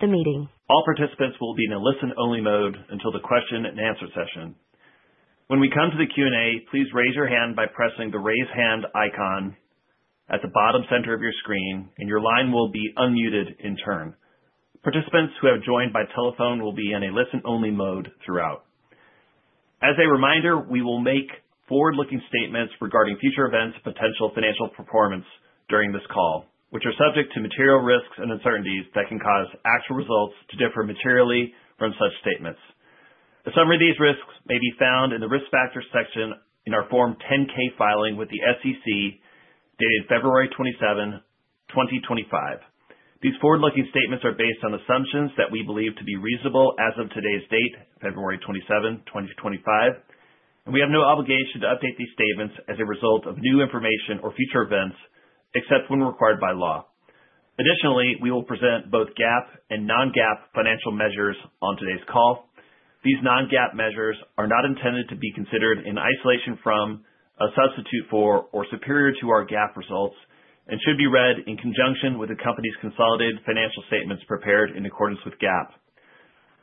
The meeting. All participants will be in a listen-only mode until the question-and-answer session. When we come to the Q&A, please raise your hand by pressing the raise hand icon at the bottom center of your screen, and your line will be unmuted in turn. Participants who have joined by telephone will be in a listen-only mode throughout. As a reminder, we will make forward-looking statements regarding future events and potential financial performance during this call, which are subject to material risks and uncertainties that can cause actual results to differ materially from such statements. A summary of these risks may be found in the risk factors section in our Form 10-K filing with the SEC dated February 27, 2025. These forward-looking statements are based on assumptions that we believe to be reasonable as of today's date, February 27, 2025, and we have no obligation to update these statements as a result of new information or future events except when required by law. Additionally, we will present both GAAP and non-GAAP financial measures on today's call. These non-GAAP measures are not intended to be considered in isolation from a substitute for, or superior to our GAAP results, and should be read in conjunction with the company's consolidated financial statements prepared in accordance with GAAP.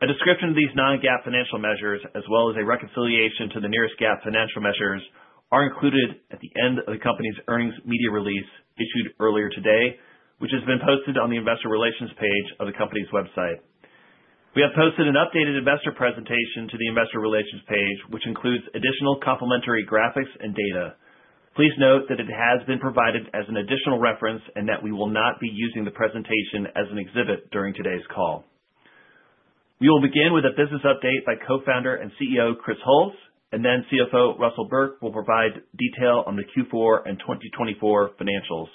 A description of these non-GAAP financial measures, as well as a reconciliation to the nearest GAAP financial measures, are included at the end of the company's earnings media release issued earlier today, which has been posted on the investor relations page of the company's website. We have posted an updated investor presentation to the investor relations page, which includes additional complementary graphics and data. Please note that it has been provided as an additional reference and that we will not be using the presentation as an exhibit during today's call. We will begin with a business update by Co-founder and CEO Chris Hulls, and then CFO Russell Burke will provide detail on the Q4 and 2024 financials.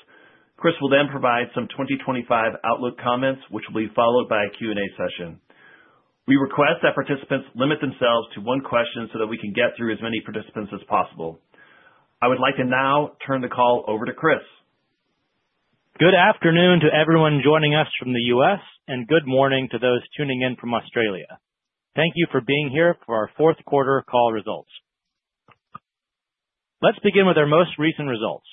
Chris will then provide some 2025 outlook comments, which will be followed by a Q&A session. We request that participants limit themselves to one question so that we can get through as many participants as possible. I would like to now turn the call over to Chris. Good afternoon to everyone joining us from the U.S., and good morning to those tuning in from Australia. Thank you for being here for our fourth quarter call results. Let's begin with our most recent results.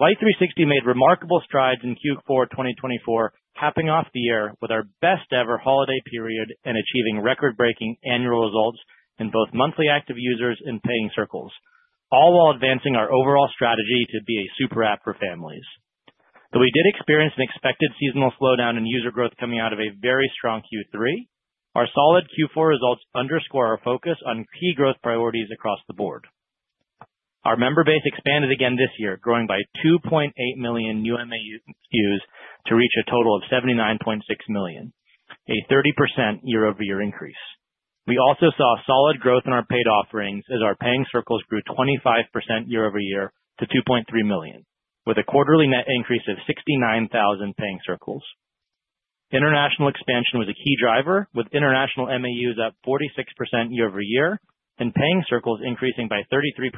Life360 made remarkable strides in Q4 2024, capping off the year with our best-ever holiday period and achieving record-breaking annual results in both monthly active users and paying circles, all while advancing our overall strategy to be a super app for families. Though we did experience an expected seasonal slowdown in user growth coming out of a very strong Q3, our solid Q4 results underscore our focus on key growth priorities across the board. Our member base expanded again this year, growing by 2.8 million new MAUs to reach a total of 79.6 million, a 30% year-over-year increase. We also saw solid growth in our paid offerings as our paying circles grew 25% year-over-year to 2.3 million, with a quarterly net increase of 69,000 paying circles. International expansion was a key driver, with international MAUs up 46% year-over-year and paying circles increasing by 33%,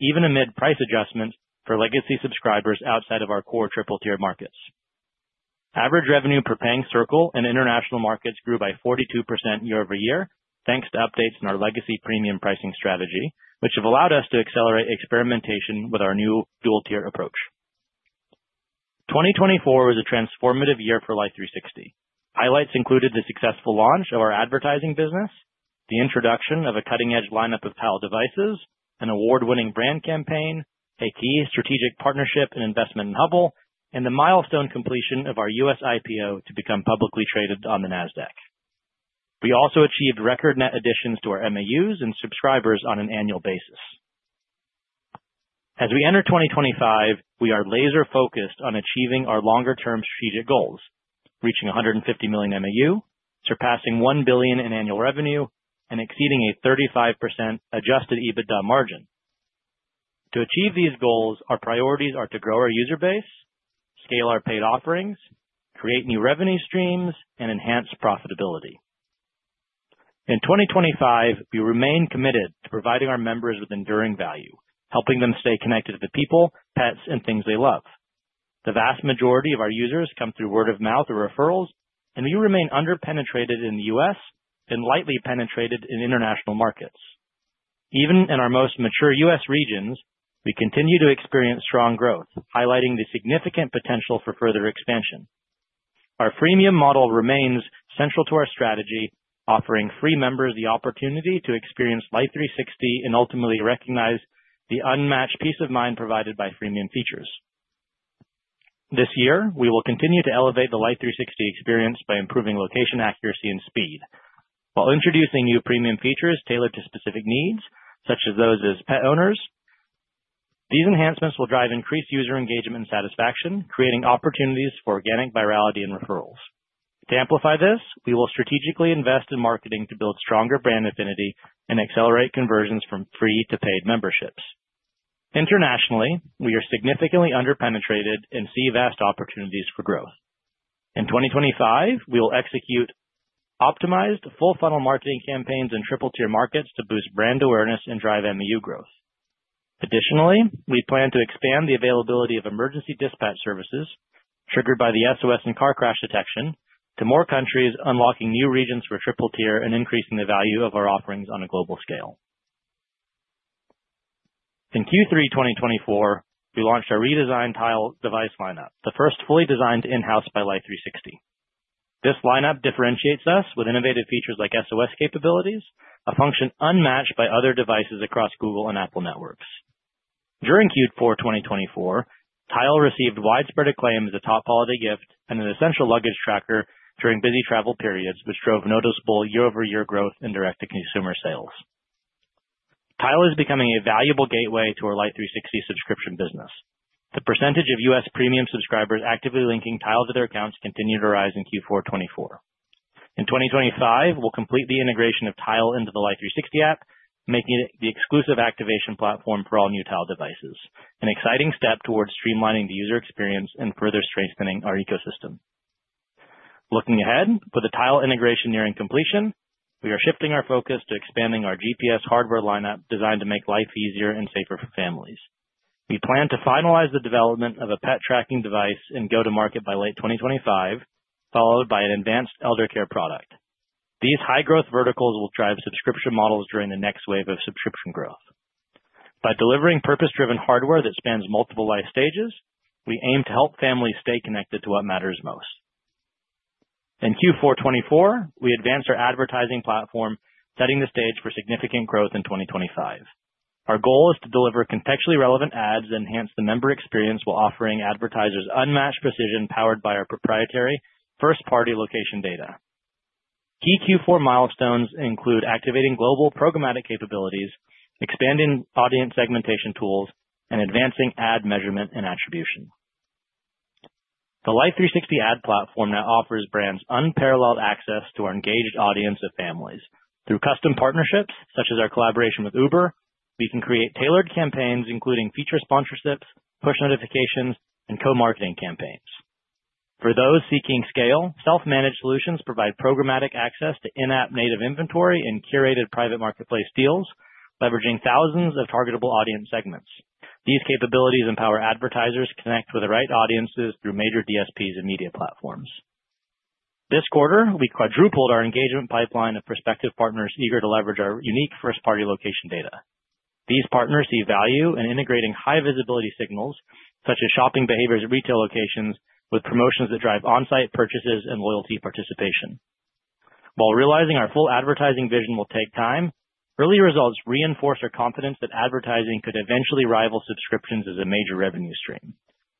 even amid price adjustments for legacy subscribers outside of our core triple-tier markets. Average revenue per paying circle in international markets grew by 42% year-over-year, thanks to updates in our legacy premium pricing strategy, which have allowed us to accelerate experimentation with our new dual-tier approach. 2024 was a transformative year for Life360. Highlights included the successful launch of our advertising business, the introduction of a cutting-edge lineup of power devices, an award-winning brand campaign, a key strategic partnership and investment in Hubble, and the milestone completion of our U.S. IPO to become publicly traded on the Nasdaq. We also achieved record net additions to our MAUs and subscribers on an annual basis. As we enter 2025, we are laser-focused on achieving our longer-term strategic goals, reaching 150 million MAU, surpassing $1 billion in annual revenue, and exceeding a 35% adjusted EBITDA margin. To achieve these goals, our priorities are to grow our user base, scale our paid offerings, create new revenue streams, and enhance profitability. In 2025, we remain committed to providing our members with enduring value, helping them stay connected to the people, pets, and things they love. The vast majority of our users come through word of mouth or referrals, and we remain under-penetrated in the U.S. and lightly penetrated in international markets. Even in our most mature U.S. regions, we continue to experience strong growth, highlighting the significant potential for further expansion. Our freemium model remains central to our strategy, offering free members the opportunity to experience Life360 and ultimately recognize the unmatched peace of mind provided by freemium features. This year, we will continue to elevate the Life360 experience by improving location accuracy and speed. While introducing new premium features tailored to specific needs, such as those of pet owners, these enhancements will drive increased user engagement and satisfaction, creating opportunities for organic virality and referrals. To amplify this, we will strategically invest in marketing to build stronger brand affinity and accelerate conversions from free to paid memberships. Internationally, we are significantly under-penetrated and see vast opportunities for growth. In 2025, we will execute optimized full-funnel marketing campaigns in triple-tier markets to boost brand awareness and drive MAU growth. Additionally, we plan to expand the availability of emergency dispatch services, triggered by the SOS and car crash detection, to more countries, unlocking new regions for triple-tier and increasing the value of our offerings on a global scale. In Q3 2024, we launched our redesigned Tile device lineup, the first fully designed in-house by Life360. This lineup differentiates us with innovative features like SOS capabilities, a function unmatched by other devices across Google and Apple networks. During Q4 2024, Tile received widespread acclaim as a top holiday gift and an essential luggage tracker during busy travel periods, which drove noticeable year-over-year growth in direct-to-consumer sales. Tile is becoming a valuable gateway to our Life360 subscription business. The percentage of U.S. premium subscribers actively linking Tile to their accounts continued to rise in Q4 2024. In 2025, we'll complete the integration of Tile into the Life360 app, making it the exclusive activation platform for all new Tile devices, an exciting step towards streamlining the user experience and further strengthening our ecosystem. Looking ahead, with the Tile integration nearing completion, we are shifting our focus to expanding our GPS hardware lineup designed to make life easier and safer for families. We plan to finalize the development of a pet tracking device and go to market by late 2025, followed by an advanced elder care product. These high-growth verticals will drive subscription models during the next wave of subscription growth. By delivering purpose-driven hardware that spans multiple life stages, we aim to help families stay connected to what matters most. In Q4 2024, we advance our advertising platform, setting the stage for significant growth in 2025. Our goal is to deliver contextually relevant ads that enhance the member experience while offering advertisers unmatched precision powered by our proprietary first-party location data. Key Q4 milestones include activating global programmatic capabilities, expanding audience segmentation tools, and advancing ad measurement and attribution. The Life360 ad platform now offers brands unparalleled access to our engaged audience of families. Through custom partnerships, such as our collaboration with Uber, we can create tailored campaigns including feature sponsorships, push notifications, and co-marketing campaigns. For those seeking scale, self-managed solutions provide programmatic access to in-app native inventory and curated private marketplace deals, leveraging thousands of targetable audience segments. These capabilities empower advertisers to connect with the right audiences through major DSPs and media platforms. This quarter, we quadrupled our engagement pipeline of prospective partners eager to leverage our unique first-party location data. These partners see value in integrating high-visibility signals, such as shopping behaviors at retail locations, with promotions that drive on-site purchases and loyalty participation. While realizing our full advertising vision will take time, early results reinforce our confidence that advertising could eventually rival subscriptions as a major revenue stream.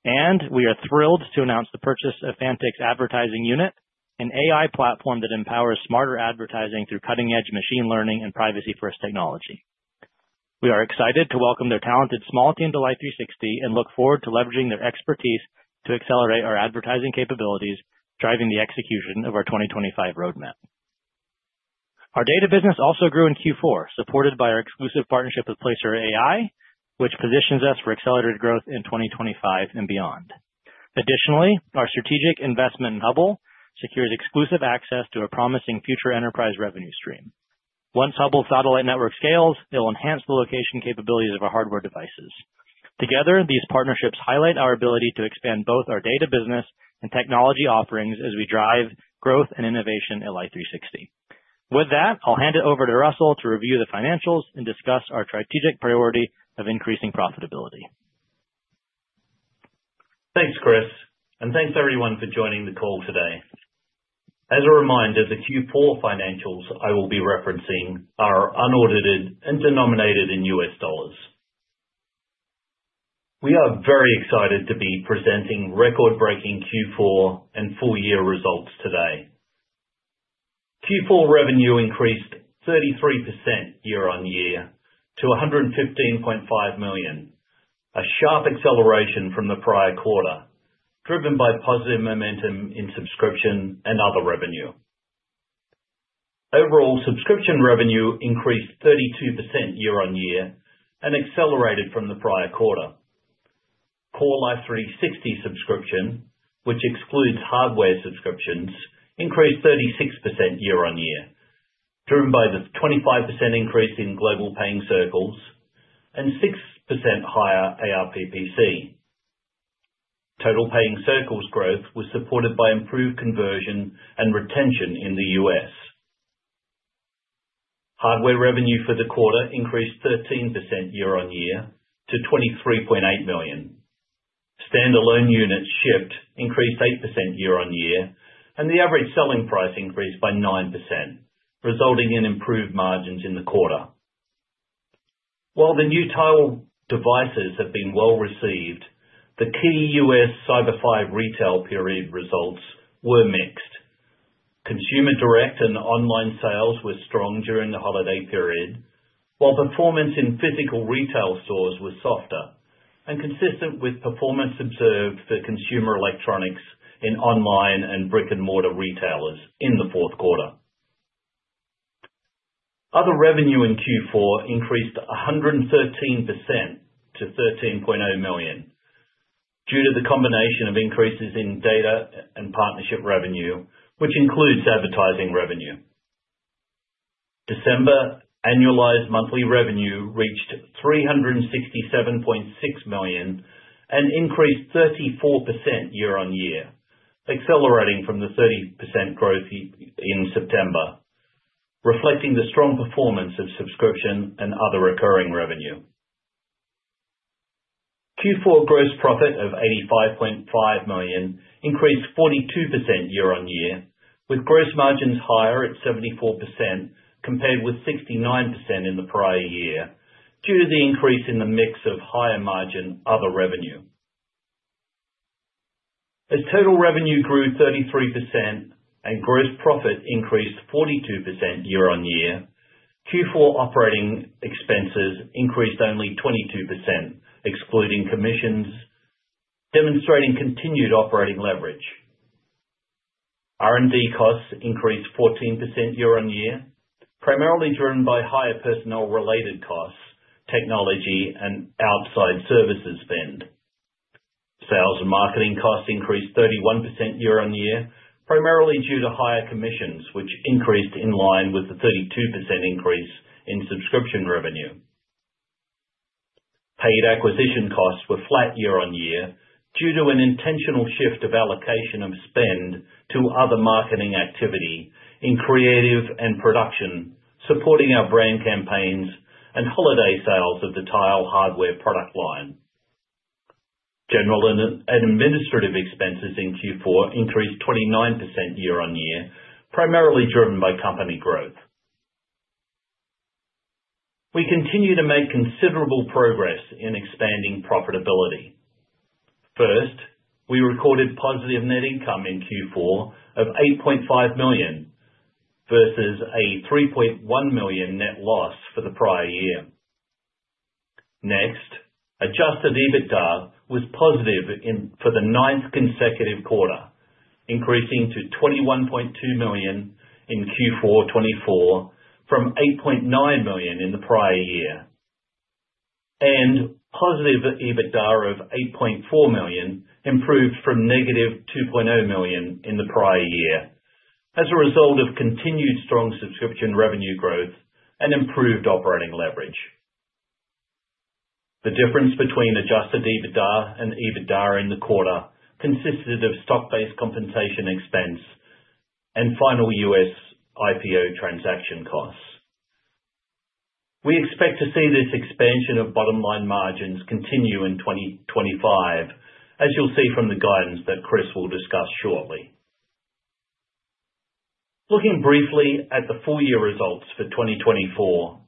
And we are thrilled to announce the purchase of Fantix's advertising unit, an AI platform that empowers smarter advertising through cutting-edge machine learning and privacy-first technology. We are excited to welcome their talented small team to Life360 and look forward to leveraging their expertise to accelerate our advertising capabilities, driving the execution of our 2025 roadmap. Our data business also grew in Q4, supported by our exclusive partnership with Placer.ai, which positions us for accelerated growth in 2025 and beyond. Additionally, our strategic investment in Hubble secures exclusive access to a promising future enterprise revenue stream. Once Hubble's satellite network scales, it will enhance the location capabilities of our hardware devices. Together, these partnerships highlight our ability to expand both our data business and technology offerings as we drive growth and innovation at Life360. With that, I'll hand it over to Russell to review the financials and discuss our strategic priority of increasing profitability. Thanks, Chris, and thanks everyone for joining the call today. As a reminder, the Q4 financials I will be referencing are unaudited and denominated in U.S. dollars. We are very excited to be presenting record-breaking Q4 and full-year results today. Q4 revenue increased 33% year-on-year to $115.5 million, a sharp acceleration from the prior quarter, driven by positive momentum in subscription and other revenue. Overall, subscription revenue increased 32% year-on-year and accelerated from the prior quarter. Core Life360 subscription, which excludes hardware subscriptions, increased 36% year-on-year, driven by the 25% increase in global paying circles and 6% higher ARPPC. Total paying circles growth was supported by improved conversion and retention in the U.S. Hardware revenue for the quarter increased 13% year-on-year to $23.8 million. Standalone units shipped increased 8% year-on-year, and the average selling price increased by 9%, resulting in improved margins in the quarter. While the new Tile devices have been well received, the key U.S. Cyber 5 retail period results were mixed. Consumer direct and online sales were strong during the holiday period, while performance in physical retail stores was softer and consistent with performance observed for consumer electronics in online and brick-and-mortar retailers in the fourth quarter. Other revenue in Q4 increased 113% to $13.0 million due to the combination of increases in data and partnership revenue, which includes advertising revenue. December annualized monthly revenue reached $367.6 million and increased 34% year-on-year, accelerating from the 30% growth in September, reflecting the strong performance of subscription and other recurring revenue. Q4 gross profit of $85.5 million increased 42% year-on-year, with gross margins higher at 74% compared with 69% in the prior year due to the increase in the mix of higher margin other revenue. As total revenue grew 33% and gross profit increased 42% year-on-year, Q4 operating expenses increased only 22%, excluding commissions, demonstrating continued operating leverage. R&D costs increased 14% year-on-year, primarily driven by higher personnel-related costs, technology, and outside services spend. Sales and marketing costs increased 31% year-on-year, primarily due to higher commissions, which increased in line with the 32% increase in subscription revenue. Paid acquisition costs were flat year-on-year due to an intentional shift of allocation of spend to other marketing activity in creative and production, supporting our brand campaigns and holiday sales of the Tile hardware product line. General and administrative expenses in Q4 increased 29% year-on-year, primarily driven by company growth. We continue to make considerable progress in expanding profitability. First, we recorded positive net income in Q4 of $8.5 million versus a $3.1 million net loss for the prior year. Next, adjusted EBITDA was positive for the ninth consecutive quarter, increasing to $21.2 million in Q4 2024 from $8.9 million in the prior year. And positive EBITDA of $8.4 million improved from -$2.0 million in the prior year as a result of continued strong subscription revenue growth and improved operating leverage. The difference between adjusted EBITDA and EBITDA in the quarter consisted of stock-based compensation expense and final U.S. IPO transaction costs. We expect to see this expansion of bottom-line margins continue in 2025, as you'll see from the guidance that Chris will discuss shortly. Looking briefly at the full-year results for 2024,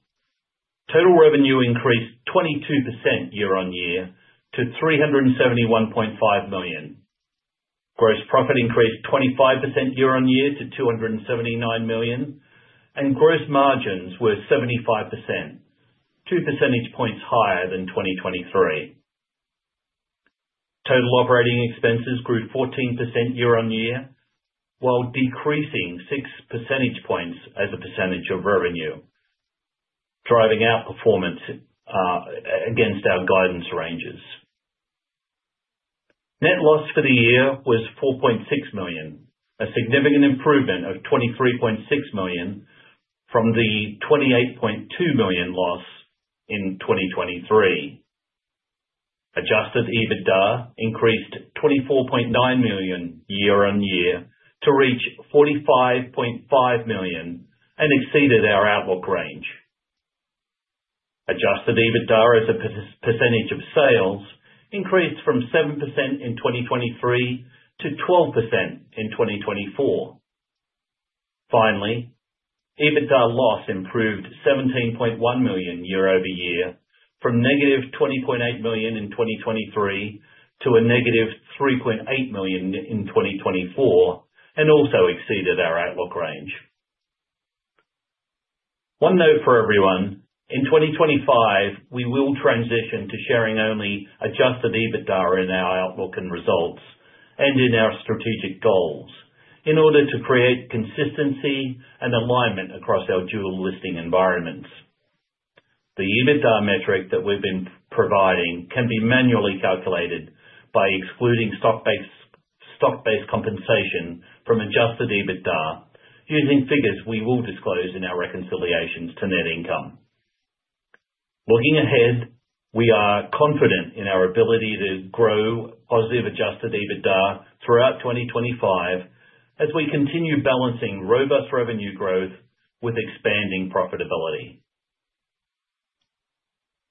total revenue increased 22% year-on-year to $371.5 million. Gross profit increased 25% year-on-year to $279 million, and gross margins were 75%, two percentage points higher than 2023. Total operating expenses grew 14% year-on-year, while decreasing 6 percentage points as a percentage of revenue, driving outperformance against our guidance ranges. Net loss for the year was $4.6 million, a significant improvement of $23.6 million from the $28.2 million loss in 2023. Adjusted EBITDA increased $24.9 million year-on-year to reach $45.5 million and exceeded our outlook range. Adjusted EBITDA as a percentage of sales increased from 7% in 2023 to 12% in 2024. Finally, EBITDA loss improved $17.1 million year-over-year from -$20.8 million in 2023 to a -$3.8 million in 2024 and also exceeded our outlook range. One note for everyone, in 2025, we will transition to sharing only adjusted EBITDA in our outlook and results and in our strategic goals in order to create consistency and alignment across our dual-listing environments. The EBITDA metric that we've been providing can be manually calculated by excluding stock-based compensation from adjusted EBITDA using figures we will disclose in our reconciliations to net income. Looking ahead, we are confident in our ability to grow positive adjusted EBITDA throughout 2025 as we continue balancing robust revenue growth with expanding profitability.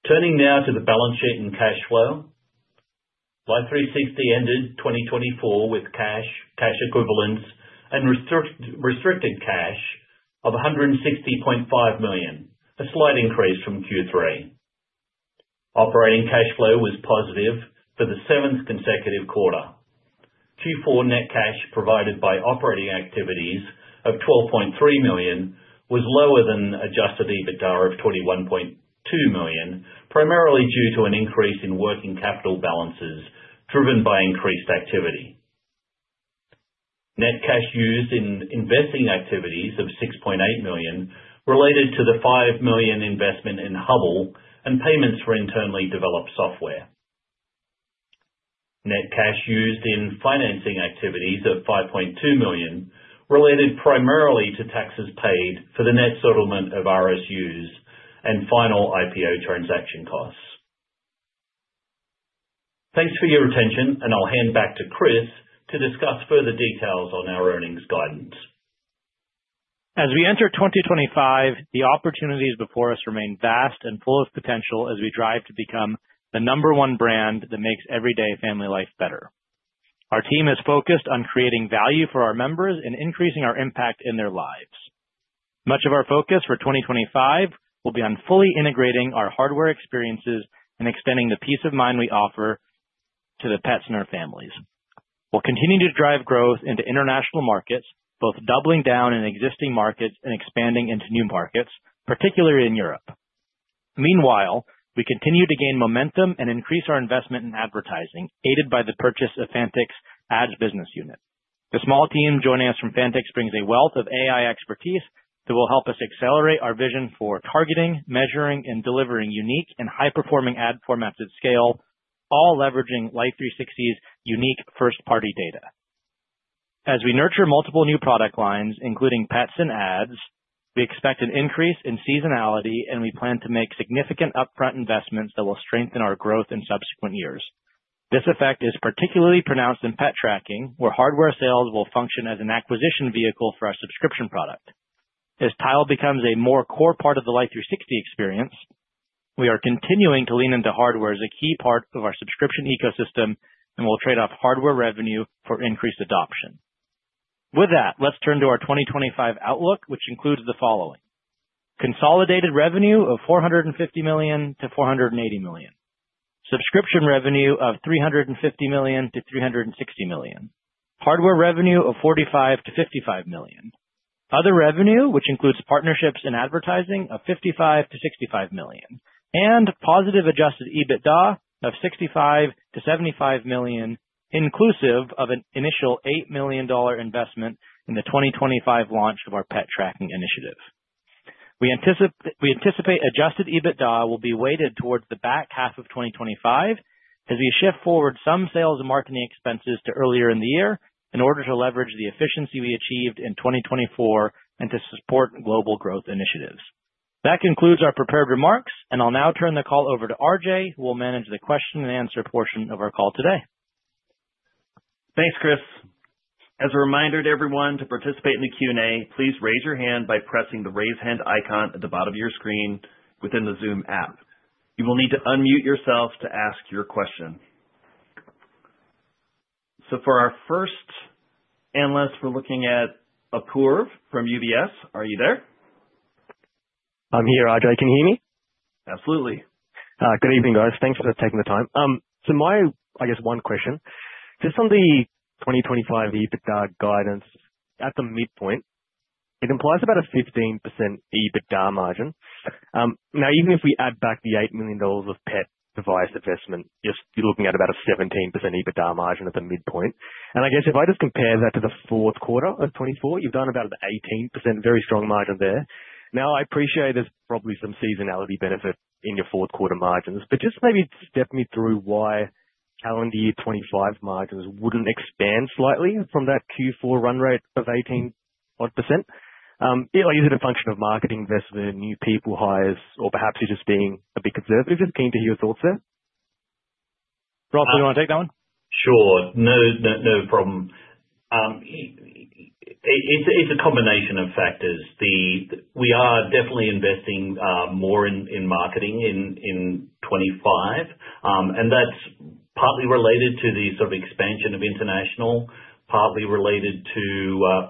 Turning now to the balance sheet and cash flow, Life360 ended 2024 with cash, cash equivalents, and restricted cash of $160.5 million, a slight increase from Q3. Operating cash flow was positive for the seventh consecutive quarter. Q4 net cash provided by operating activities of $12.3 million was lower than adjusted EBITDA of $21.2 million, primarily due to an increase in working capital balances driven by increased activity. Net cash used in investing activities of $6.8 million related to the $5 million investment in Hubble and payments for internally developed software. Net cash used in financing activities of $5.2 million related primarily to taxes paid for the net settlement of RSUs and final IPO transaction costs. Thanks for your attention, and I'll hand back to Chris to discuss further details on our earnings guidance. As we enter 2025, the opportunities before us remain vast and full of potential as we drive to become the number one brand that makes everyday family life better. Our team is focused on creating value for our members and increasing our impact in their lives. Much of our focus for 2025 will be on fully integrating our hardware experiences and extending the peace of mind we offer to the pets and our families. We'll continue to drive growth into international markets, both doubling down in existing markets and expanding into new markets, particularly in Europe. Meanwhile, we continue to gain momentum and increase our investment in advertising, aided by the purchase of Fantix's ads business unit. The small team joining us from Fantix brings a wealth of AI expertise that will help us accelerate our vision for targeting, measuring, and delivering unique and high-performing ad formats at scale, all leveraging Life360's unique first-party data. As we nurture multiple new product lines, including pets and ads, we expect an increase in seasonality, and we plan to make significant upfront investments that will strengthen our growth in subsequent years. This effect is particularly pronounced in pet tracking, where hardware sales will function as an acquisition vehicle for our subscription product. As Tile becomes a more core part of the Life360 experience, we are continuing to lean into hardware as a key part of our subscription ecosystem and will trade off hardware revenue for increased adoption. With that, let's turn to our 2025 outlook, which includes the following: consolidated revenue of $450 million-$480 million, subscription revenue of $350 million-$360 million, hardware revenue of $45 million-$55 million, other revenue, which includes partnerships and advertising, of $55 million-$65 million, and positive adjusted EBITDA of $65 million-$75 million, inclusive of an initial $8 million investment in the 2025 launch of our pet tracking initiative. We anticipate adjusted EBITDA will be weighted towards the back half of 2025 as we shift forward some sales and marketing expenses to earlier in the year in order to leverage the efficiency we achieved in 2024 and to support global growth initiatives. That concludes our prepared remarks, and I'll now turn the call over to RJ, who will manage the question-and-answer portion of our call today. Thanks, Chris. As a reminder to everyone to participate in the Q&A, please raise your hand by pressing the raise hand icon at the bottom of your screen within the Zoom app. You will need to unmute yourself to ask your question. So for our first analyst, we're looking at Apoorv from UBS. Are you there? I'm here, RJ. Can you hear me? Absolutely. Good evening, guys. Thanks for taking the time, so my, I guess, one question. Just on the 2025 EBITDA guidance at the midpoint, it implies about a 15% EBITDA margin. Now, even if we add back the $8 million of pet device investment, you're looking at about a 17% EBITDA margin at the midpoint. And I guess if I just compare that to the fourth quarter of 2024, you've done about an 18% very strong margin there. Now, I appreciate there's probably some seasonality benefit in your fourth quarter margins, but just maybe step me through why calendar year 2025 margins wouldn't expand slightly from that Q4 run rate of 18-odd percent. Is it a function of marketing investment, new people hires, or perhaps you're just being a bit conservative? Just keen to hear your thoughts there. Ross, do you want to take that one? Sure. No problem. It's a combination of factors. We are definitely investing more in marketing in 2025, and that's partly related to the sort of expansion of international, partly related to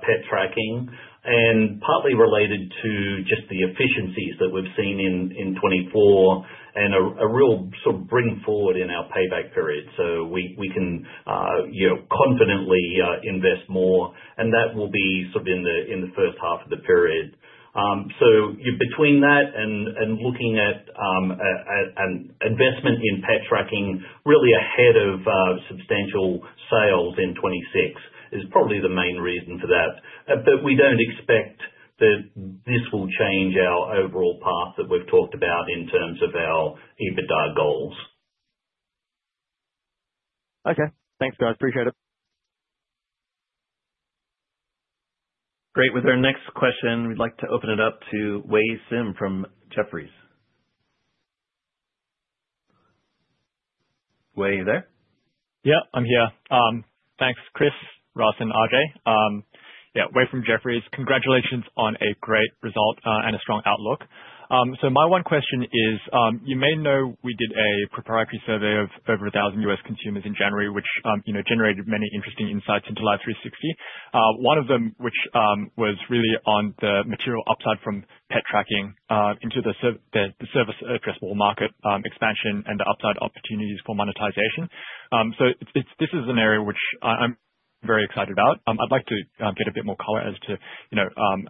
pet tracking, and partly related to just the efficiencies that we've seen in 2024 and a real sort of bring forward in our payback period so we can confidently invest more. And that will be sort of in the first half of the period. So between that and looking at investment in pet tracking really ahead of substantial sales in 2026 is probably the main reason for that. But we don't expect that this will change our overall path that we've talked about in terms of our EBITDA goals. Okay. Thanks, guys. Appreciate it. Great. With our next question, we'd like to open it up to Wei Sim from Jefferies. Wei, you there? Yeah, I'm here. Thanks, Chris, Russell, and RJ. Yeah, Wei from Jefferies, congratulations on a great result and a strong outlook. So my one question is, you may know we did a proprietary survey of over 1,000 U.S. consumers in January, which generated many interesting insights into Life360. One of them, which was really on the material upside from pet tracking into the service addressable market expansion and the upside opportunities for monetization. So this is an area which I'm very excited about. I'd like to get a bit more color as to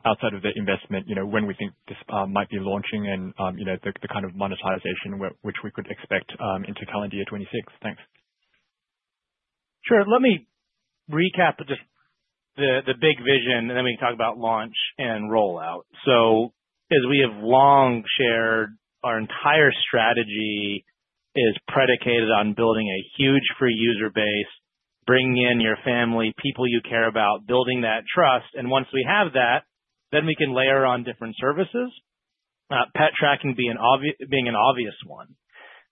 outside of the investment, when we think this might be launching and the kind of monetization which we could expect into calendar year 2026. Thanks. Sure. Let me recap just the big vision, and then we can talk about launch and rollout. So as we have long shared, our entire strategy is predicated on building a huge free user base, bringing in your family, people you care about, building that trust. And once we have that, then we can layer on different services, pet tracking being an obvious one.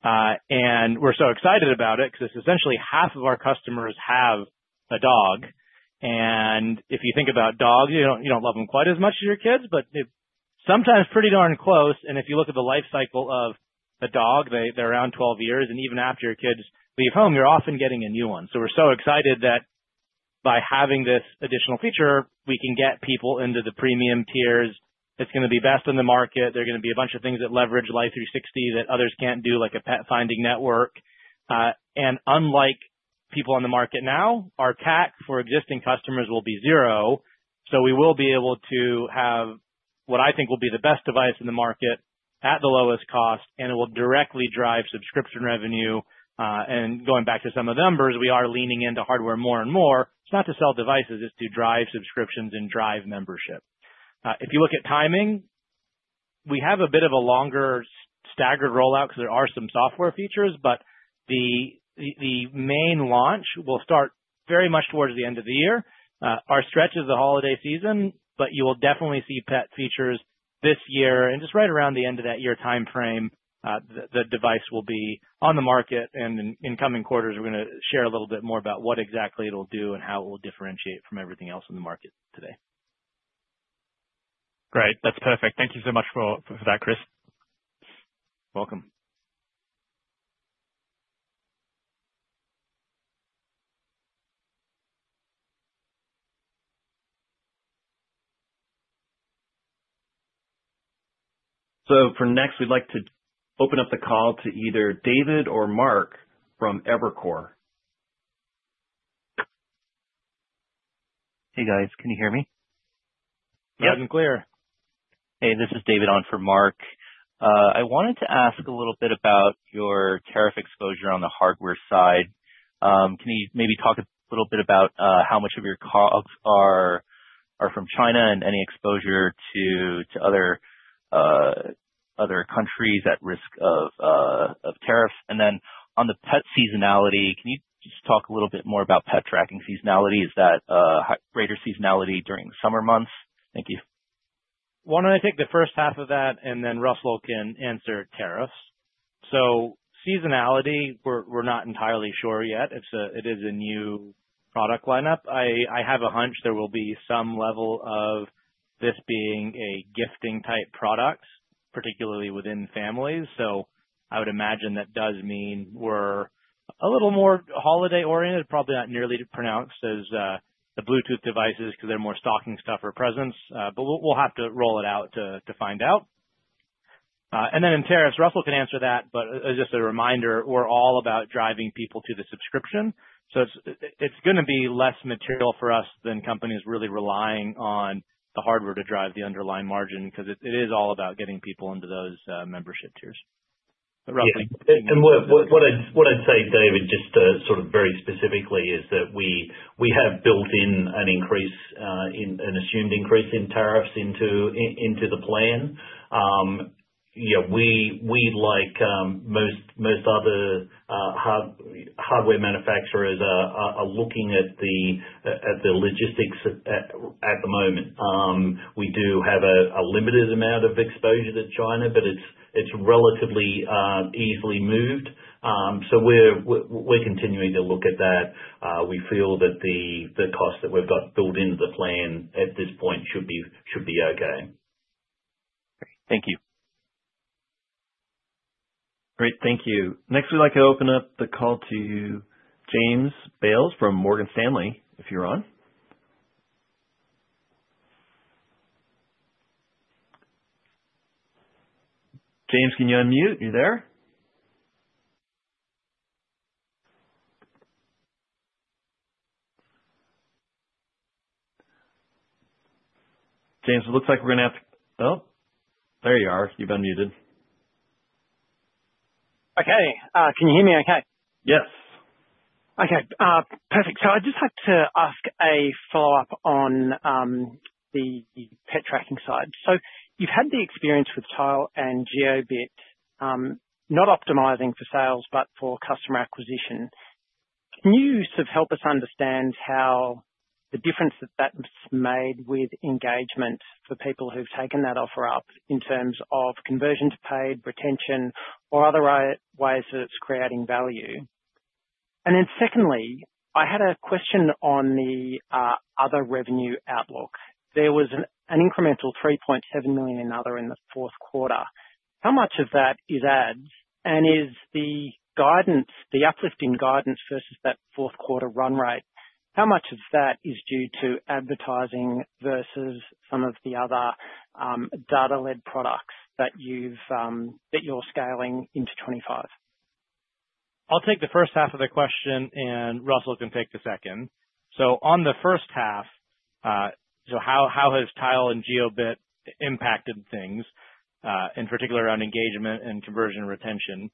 And we're so excited about it because essentially half of our customers have a dog. And if you think about dogs, you don't love them quite as much as your kids, but sometimes pretty darn close. And if you look at the life cycle of a dog, they're around 12 years. And even after your kids leave home, you're often getting a new one. So we're so excited that by having this additional feature, we can get people into the premium tiers. It's going to be best in the market. There are going to be a bunch of things that leverage Life360 that others can't do, like a pet finding network, and unlike people on the market now, our cost for existing customers will be zero, so we will be able to have what I think will be the best device in the market at the lowest cost, and it will directly drive subscription revenue, and going back to some of the numbers, we are leaning into hardware more and more. It's not to sell devices. It's to drive subscriptions and drive membership. If you look at timing, we have a bit of a longer staggered rollout because there are some software features, but the main launch will start very much towards the end of the year. Our stretch is the holiday season, but you will definitely see pet features this year. Just right around the end of that year timeframe, the device will be on the market. In coming quarters, we're going to share a little bit more about what exactly it'll do and how it will differentiate from everything else in the market today. Great. That's perfect. Thank you so much for that, Chris. You're welcome. So for next, we'd like to open up the call to either David or Mark from Evercore. Hey, guys. Can you hear me? Yes. Loud and clear. Hey, this is David on for Mark. I wanted to ask a little bit about your tariff exposure on the hardware side. Can you maybe talk a little bit about how much of your COGS are from China and any exposure to other countries at risk of tariffs? And then on the pet seasonality, can you just talk a little bit more about pet tracking seasonality? Is that greater seasonality during the summer months? Thank you. Why don't I take the first half of that, and then Russell can answer tariffs. So seasonality, we're not entirely sure yet. It is a new product lineup. I have a hunch there will be some level of this being a gifting-type product, particularly within families. So I would imagine that does mean we're a little more holiday-oriented, probably not nearly pronounced as the Bluetooth devices because they're more stocking stuff or presents. But we'll have to roll it out to find out. And then in tariffs, Russell can answer that, but as just a reminder, we're all about driving people to the subscription. So it's going to be less material for us than companies really relying on the hardware to drive the underlying margin because it is all about getting people into those membership tiers. But roughly. What I'd say, David, just sort of very specifically is that we have built in an assumed increase in tariffs into the plan. We, like most other hardware manufacturers, are looking at the logistics at the moment. We do have a limited amount of exposure to China, but it's relatively easily moved. So we're continuing to look at that. We feel that the cost that we've got built into the plan at this point should be okay. Great. Thank you. Next, we'd like to open up the call to James Bales from Morgan Stanley, if you're on. James, can you unmute? You there? James, it looks like we're going to have to. Oh, there you are. You've unmuted. Okay. Can you hear me okay? Yes. Okay. Perfect. So I'd just like to ask a follow-up on the pet tracking side. So you've had the experience with Tile and Jiobit, not optimizing for sales, but for customer acquisition. Can you sort of help us understand how the difference that that's made with engagement for people who've taken that offer up in terms of conversion to paid, retention, or other ways that it's creating value? And then secondly, I had a question on the other revenue outlook. There was an incremental $3.7 million in other in the fourth quarter. How much of that is ads? And is the uplift in guidance versus that fourth quarter run rate, how much of that is due to advertising versus some of the other data-led products that you're scaling into 2025? I'll take the first half of the question, and Russell can take the second. On the first half, how has Tile and Jiobit impacted things, in particular around engagement and conversion retention?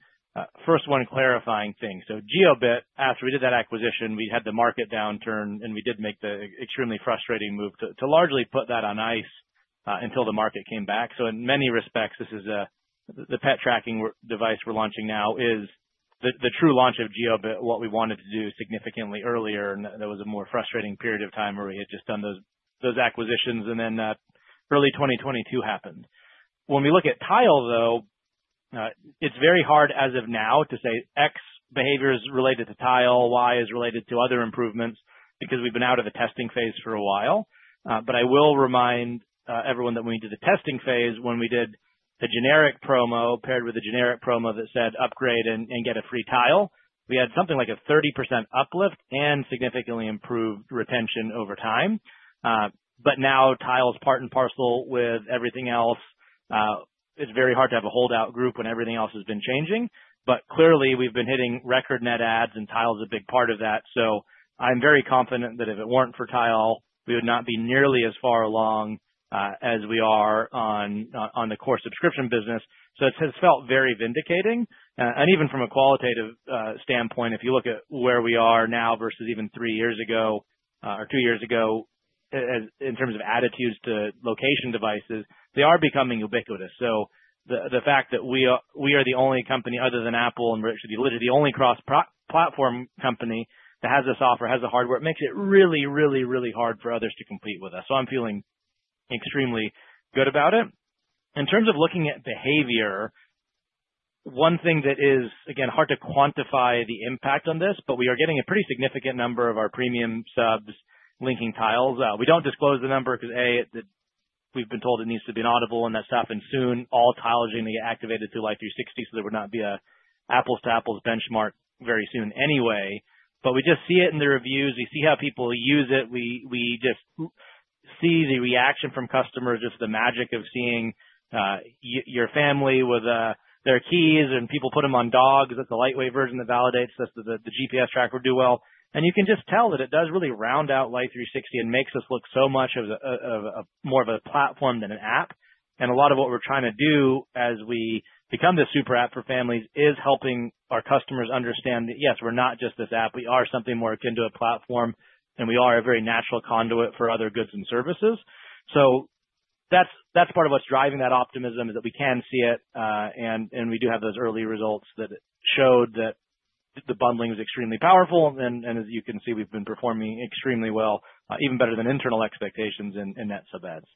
First, one clarifying thing. Jiobit, after we did that acquisition, we had the market downturn, and we did make the extremely frustrating move to largely put that on ice until the market came back. In many respects, the pet tracking device we're launching now is the true launch of Jiobit, what we wanted to do significantly earlier. There was a more frustrating period of time where we had just done those acquisitions, and then early 2022 happened. When we look at Tile, though, it's very hard as of now to say X behavior is related to Tile, Y is related to other improvements because we've been out of the testing phase for a while. But I will remind everyone that when we did the testing phase, when we did the generic promo paired with the generic promo that said, "Upgrade and get a free Tile," we had something like a 30% uplift and significantly improved retention over time. But now Tile is part and parcel with everything else. It's very hard to have a holdout group when everything else has been changing. But clearly, we've been hitting record net adds, and Tile is a big part of that. So I'm very confident that if it weren't for Tile, we would not be nearly as far along as we are on the core subscription business. So it has felt very vindicating. And even from a qualitative standpoint, if you look at where we are now versus even three years ago or two years ago in terms of attitudes to location devices, they are becoming ubiquitous. So the fact that we are the only company other than Apple and it should be literally the only cross-platform company that has this offer, has the hardware, makes it really, really, really hard for others to compete with us. So I'm feeling extremely good about it. In terms of looking at behavior, one thing that is, again, hard to quantify the impact on this, but we are getting a pretty significant number of our premium subs linking tiles. We don't disclose the number because, A, we've been told it needs to be audited and that's happened soon. All tiles are going to get activated through Life360, so there would not be an apples-to-apples benchmark very soon anyway. But we just see it in the reviews. We see how people use it. We just see the reaction from customers, just the magic of seeing your family with their keys and people put them on dogs. It's a lightweight version that validates us that the GPS tracker would do well, and you can just tell that it does really round out Life360 and makes us look so much more of a platform than an app, and a lot of what we're trying to do as we become this super app for families is helping our customers understand that, yes, we're not just this app, we are something more akin to a platform, and we are a very natural conduit for other goods and services, so that's part of what's driving that optimism is that we can see it, and we do have those early results that showed that the bundling is extremely powerful. As you can see, we've been performing extremely well, even better than internal expectations in net sub ads.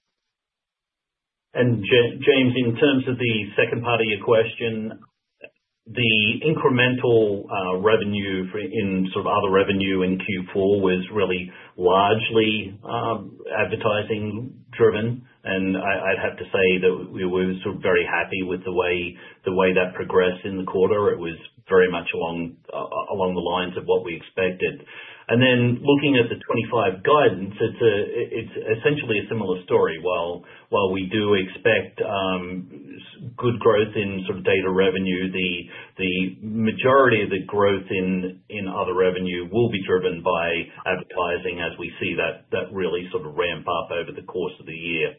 James, in terms of the second part of your question, the incremental revenue in sort of other revenue in Q4 was really largely advertising-driven. I'd have to say that we were sort of very happy with the way that progressed in the quarter. It was very much along the lines of what we expected. Then looking at the 2025 guidance, it's essentially a similar story. While we do expect good growth in sort of data revenue, the majority of the growth in other revenue will be driven by advertising as we see that really sort of ramp up over the course of the year.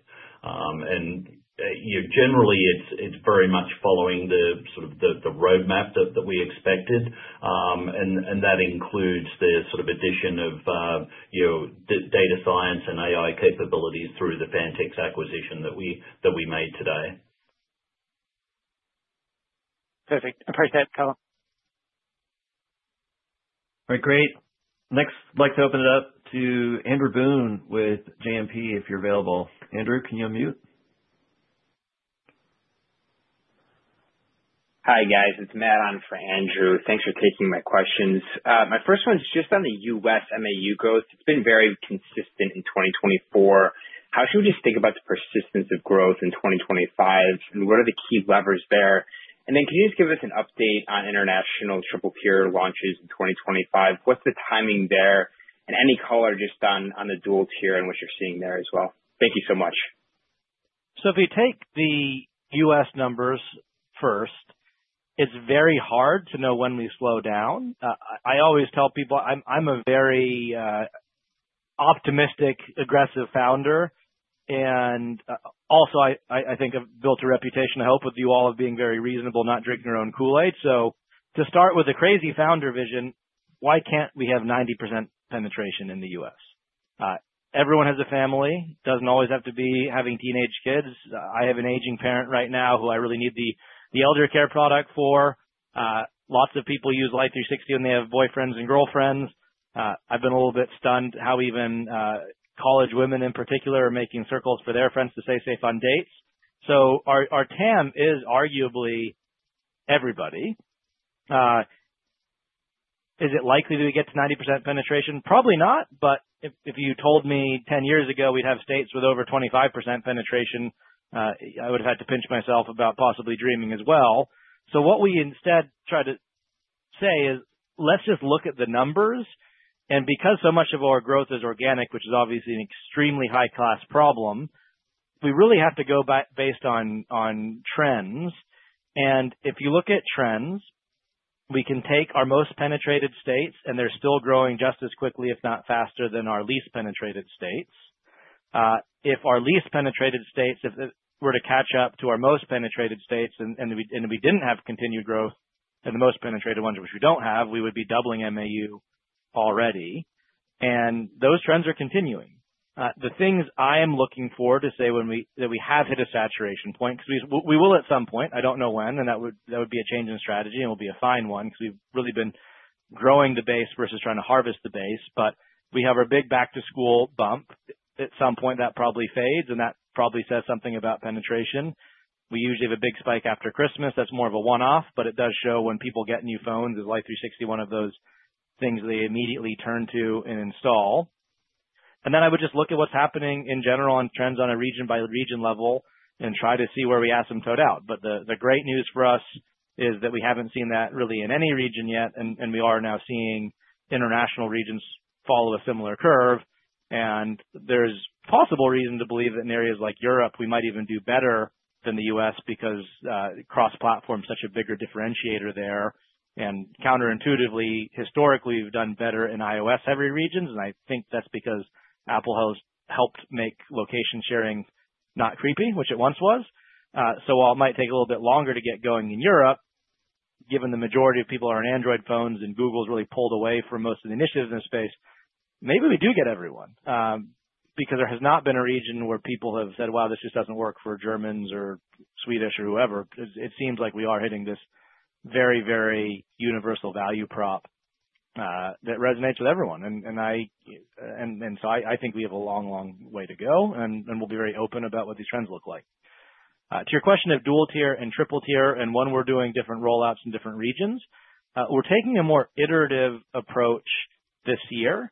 Generally, it's very much following the sort of roadmap that we expected. That includes the sort of addition of data science and AI capabilities through the Fantix's acquisition that we made today. Perfect. Appreciate that color. All right. Great. Next, I'd like to open it up to Andrew Boone with JMP if you're available. Andrew, can you unmute? Hi, guys. It's Matt on for Andrew. Thanks for taking my questions. My first one is just on the U.S. MAU growth. It's been very consistent in 2024. How should we just think about the persistence of growth in 2025? And then can you just give us an update on international triple-tier launches in 2025? What's the timing there? And any color just on the dual-tier and what you're seeing there as well? Thank you so much. So if you take the U.S. numbers first, it's very hard to know when we slow down. I always tell people I'm a very optimistic, aggressive founder. And also, I think I've built a reputation, I hope, with you all of being very reasonable, not drinking your own Kool-Aid. So to start with a crazy founder vision, why can't we have 90% penetration in the U.S.? Everyone has a family. It doesn't always have to be having teenage kids. I have an aging parent right now who I really need the elder care product for. Lots of people use Life360 when they have boyfriends and girlfriends. I've been a little bit stunned how even college women in particular are making circles for their friends to stay safe on dates. So our TAM is arguably everybody. Is it likely that we get to 90% penetration? Probably not. But if you told me 10 years ago we'd have states with over 25% penetration, I would have had to pinch myself about possibly dreaming as well. So what we instead try to say is, let's just look at the numbers. And because so much of our growth is organic, which is obviously an extremely high-class problem, we really have to go based on trends. And if you look at trends, we can take our most penetrated states, and they're still growing just as quickly, if not faster, than our least penetrated states. If our least penetrated states were to catch up to our most penetrated states and we didn't have continued growth in the most penetrated ones, which we don't have, we would be doubling MAU already. And those trends are continuing. The things I am looking for to say that we have hit a saturation point because we will at some point. I don't know when, and that would be a change in strategy, and it will be a fine one because we've really been growing the base versus trying to harvest the base. But we have our big back-to-school bump. At some point, that probably fades, and that probably says something about penetration. We usually have a big spike after Christmas. That's more of a one-off, but it does show when people get new phones, is Life360 one of those things they immediately turn to and install? And then I would just look at what's happening in general on trends on a region-by-region level and try to see where we're starting to tap out. But the great news for us is that we haven't seen that really in any region yet, and we are now seeing international regions follow a similar curve. And there's possible reason to believe that in areas like Europe, we might even do better than the U.S. because cross-platform is such a bigger differentiator there. And counterintuitively, historically, we've done better in iOS-heavy regions, and I think that's because Apple helped make location sharing not creepy, which it once was. While it might take a little bit longer to get going in Europe, given the majority of people are on Android phones and Google's really pulled away from most of the initiatives in this space, maybe we do get everyone because there has not been a region where people have said, "Wow, this just doesn't work for Germans or Swedes or whoever." It seems like we are hitting this very, very universal value prop that resonates with everyone, so I think we have a long, long way to go, and we'll be very open about what these trends look like. To your question of dual-tier and triple-tier and when we're doing different rollouts in different regions, we're taking a more iterative approach this year.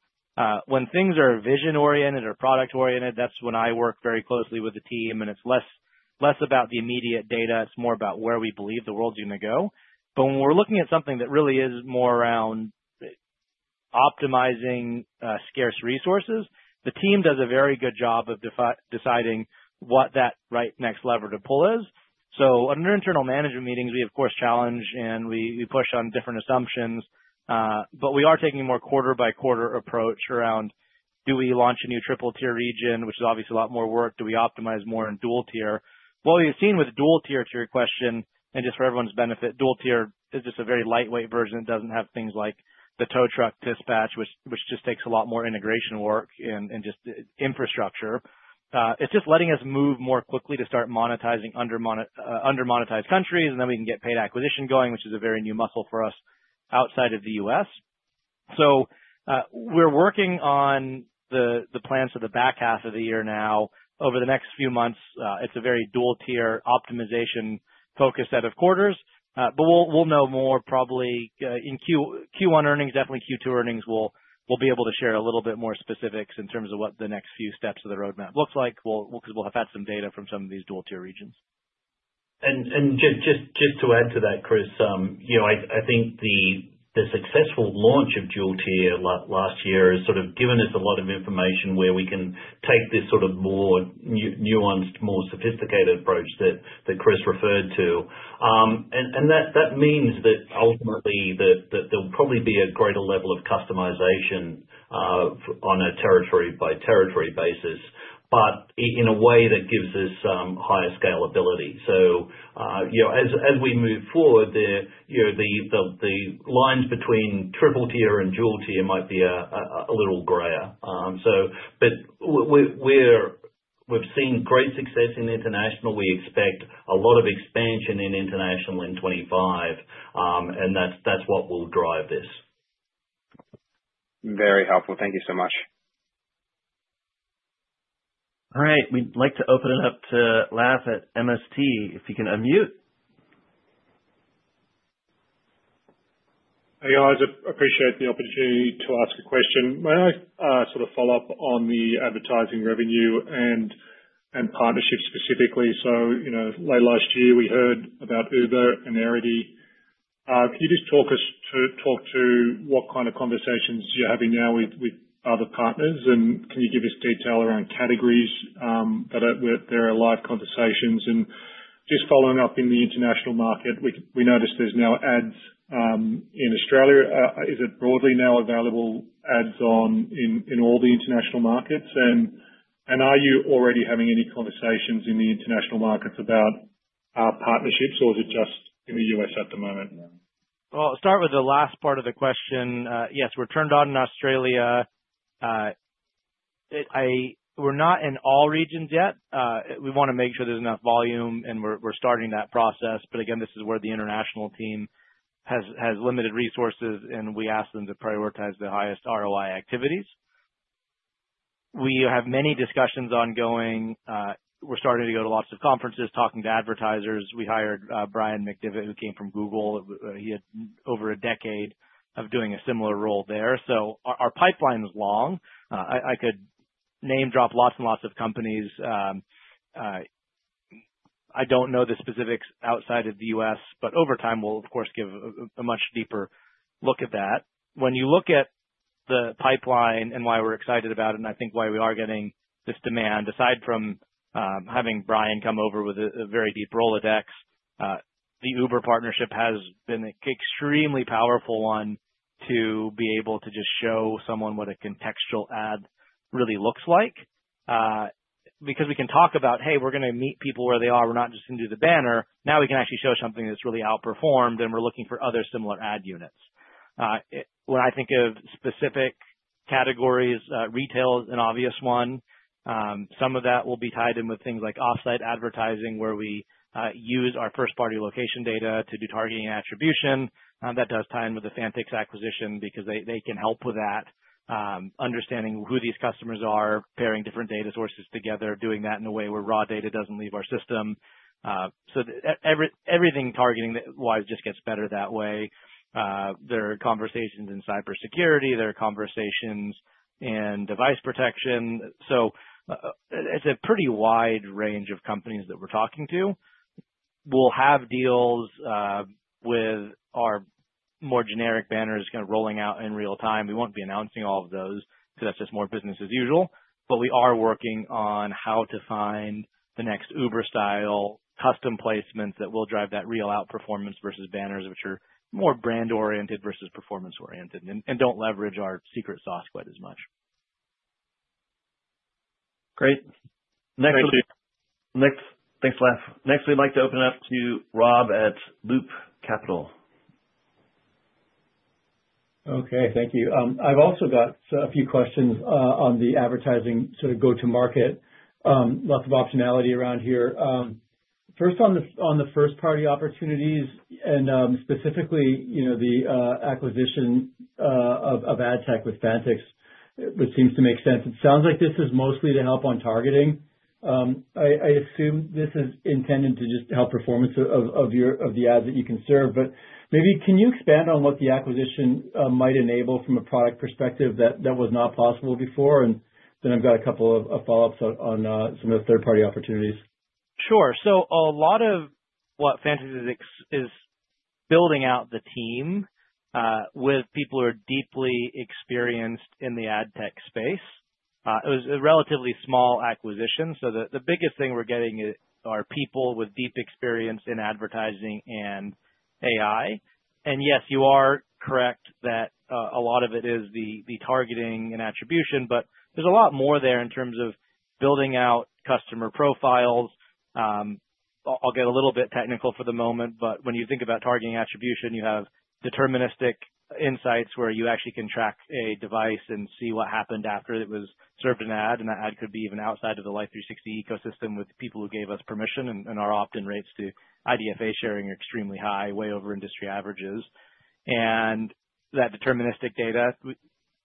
When things are vision-oriented or product-oriented, that's when I work very closely with the team, and it's less about the immediate data. It's more about where we believe the world's going to go. But when we're looking at something that really is more around optimizing scarce resources, the team does a very good job of deciding what that right next lever to pull is. So under internal management meetings, we, of course, challenge, and we push on different assumptions. But we are taking a more quarter-by-quarter approach around, do we launch a new triple-tier region, which is obviously a lot more work? Do we optimize more in dual-tier? What we've seen with dual-tier to your question, and just for everyone's benefit, dual-tier is just a very lightweight version. It doesn't have things like the tow truck dispatch, which just takes a lot more integration work and just infrastructure. It's just letting us move more quickly to start monetizing under-monetized countries, and then we can get paid acquisition going, which is a very new muscle for us outside of the U.S. So we're working on the plans for the back half of the year now. Over the next few months, it's a very dual-tier optimization-focused set of quarters. But we'll know more probably in Q1 earnings. Definitely Q2 earnings, we'll be able to share a little bit more specifics in terms of what the next few steps of the roadmap look like because we'll have had some data from some of these dual-tier regions. And just to add to that, Chris, I think the successful launch of dual-tier last year has sort of given us a lot of information where we can take this sort of more nuanced, more sophisticated approach that Chris referred to. And that means that ultimately there'll probably be a greater level of customization on a territory-by-territory basis, but in a way that gives us higher scalability. So as we move forward, the lines between triple-tier and dual-tier might be a little grayer. But we've seen great success in international. We expect a lot of expansion in international in 2025, and that's what will drive this. Very helpful. Thank you so much. All right. We'd like to open it up to Laf at MST. If you can unmute. Hey, guys. I appreciate the opportunity to ask a question. May I sort of follow up on the advertising revenue and partnership specifically? So late last year, we heard about Uber and Airbnb. Can you just talk to what kind of conversations you're having now with other partners? And can you give us detail around categories that are live conversations? And just following up in the international market, we noticed there's now ads in Australia. Is it broadly now available ads on in all the international markets? And are you already having any conversations in the international markets about partnerships, or is it just in the U.S. at the moment? I'll start with the last part of the question. Yes, we're turned on in Australia. We're not in all regions yet. We want to make sure there's enough volume, and we're starting that process. But again, this is where the international team has limited resources, and we ask them to prioritize the highest ROI activities. We have many discussions ongoing. We're starting to go to lots of conferences, talking to advertisers. We hired Brian McDevitt, who came from Google. He had over a decade of doing a similar role there. So our pipeline is long. I could name-drop lots and lots of companies. I don't know the specifics outside of the U.S., but over time, we'll, of course, give a much deeper look at that. When you look at the pipeline and why we're excited about it, and I think why we are getting this demand, aside from having Brian come over with a very deep Rolodex, the Uber partnership has been an extremely powerful one to be able to just show someone what a contextual ad really looks like. Because we can talk about, "Hey, we're going to meet people where they are. We're not just going to do the banner." Now we can actually show something that's really outperformed, and we're looking for other similar ad units. When I think of specific categories, retail is an obvious one. Some of that will be tied in with things like off-site advertising, where we use our first-party location data to do targeting attribution. That does tie in with the Fantix's acquisition because they can help with that, understanding who these customers are, pairing different data sources together, doing that in a way where raw data doesn't leave our system. So everything targeting-wise just gets better that way. There are conversations in cybersecurity. There are conversations in device protection. So it's a pretty wide range of companies that we're talking to. We'll have deals with our more generic banners kind of rolling out in real time. We won't be announcing all of those because that's just more business as usual. But we are working on how to find the next Uber-style custom placements that will drive that real-out performance versus banners, which are more brand-oriented versus performance-oriented and don't leverage our secret sauce quite as much. Great. Thanks Next, we'd like to open it up to Rob at Loop Capital. Okay. Thank you. I've also got a few questions on the advertising sort of go-to-market. Lots of optionality around here. First, on the first-party opportunities and specifically the acquisition of AdTech with Fantix, which seems to make sense. It sounds like this is mostly to help on targeting. I assume this is intended to just help performance of the ads that you can serve. But maybe can you expand on what the acquisition might enable from a product perspective that was not possible before? And then I've got a couple of follow-ups on some of the third-party opportunities. Sure. So a lot of what Fantix is building out the team with people who are deeply experienced in the AdTech space. It was a relatively small acquisition. So the biggest thing we're getting are people with deep experience in advertising and AI. And yes, you are correct that a lot of it is the targeting and attribution, but there's a lot more there in terms of building out customer profiles. I'll get a little bit technical for the moment, but when you think about targeting attribution, you have deterministic insights where you actually can track a device and see what happened after it was served an ad. And that ad could be even outside of the Life360 ecosystem with people who gave us permission, and our opt-in rates to IDFA sharing are extremely high, way over industry averages. That deterministic data,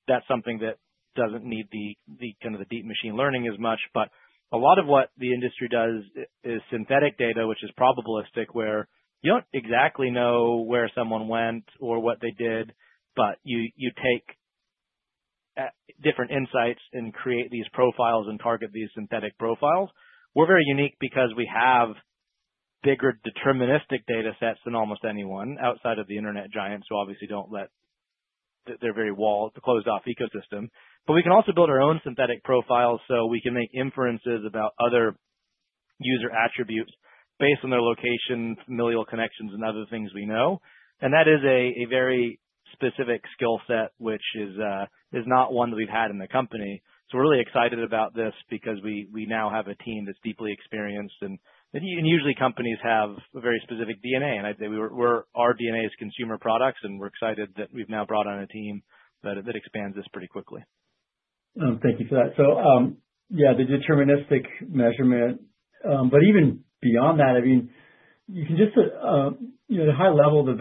that's something that doesn't need the kind of deep machine learning as much. But a lot of what the industry does is synthetic data, which is probabilistic, where you don't exactly know where someone went or what they did, but you take different insights and create these profiles and target these synthetic profiles. We're very unique because we have bigger deterministic data sets than almost anyone outside of the internet giants, who obviously don't let their walled ecosystem, the closed-off ecosystem. But we can also build our own synthetic profiles so we can make inferences about other user attributes based on their location, familial connections, and other things we know. And that is a very specific skill set, which is not one that we've had in the company. So we're really excited about this because we now have a team that's deeply experienced. Usually, companies have a very specific DNA. Our DNA is consumer products, and we're excited that we've now brought on a team that expands this pretty quickly. Thank you for that. So yeah, the deterministic measurement. But even beyond that, I mean, you can just at a high level, the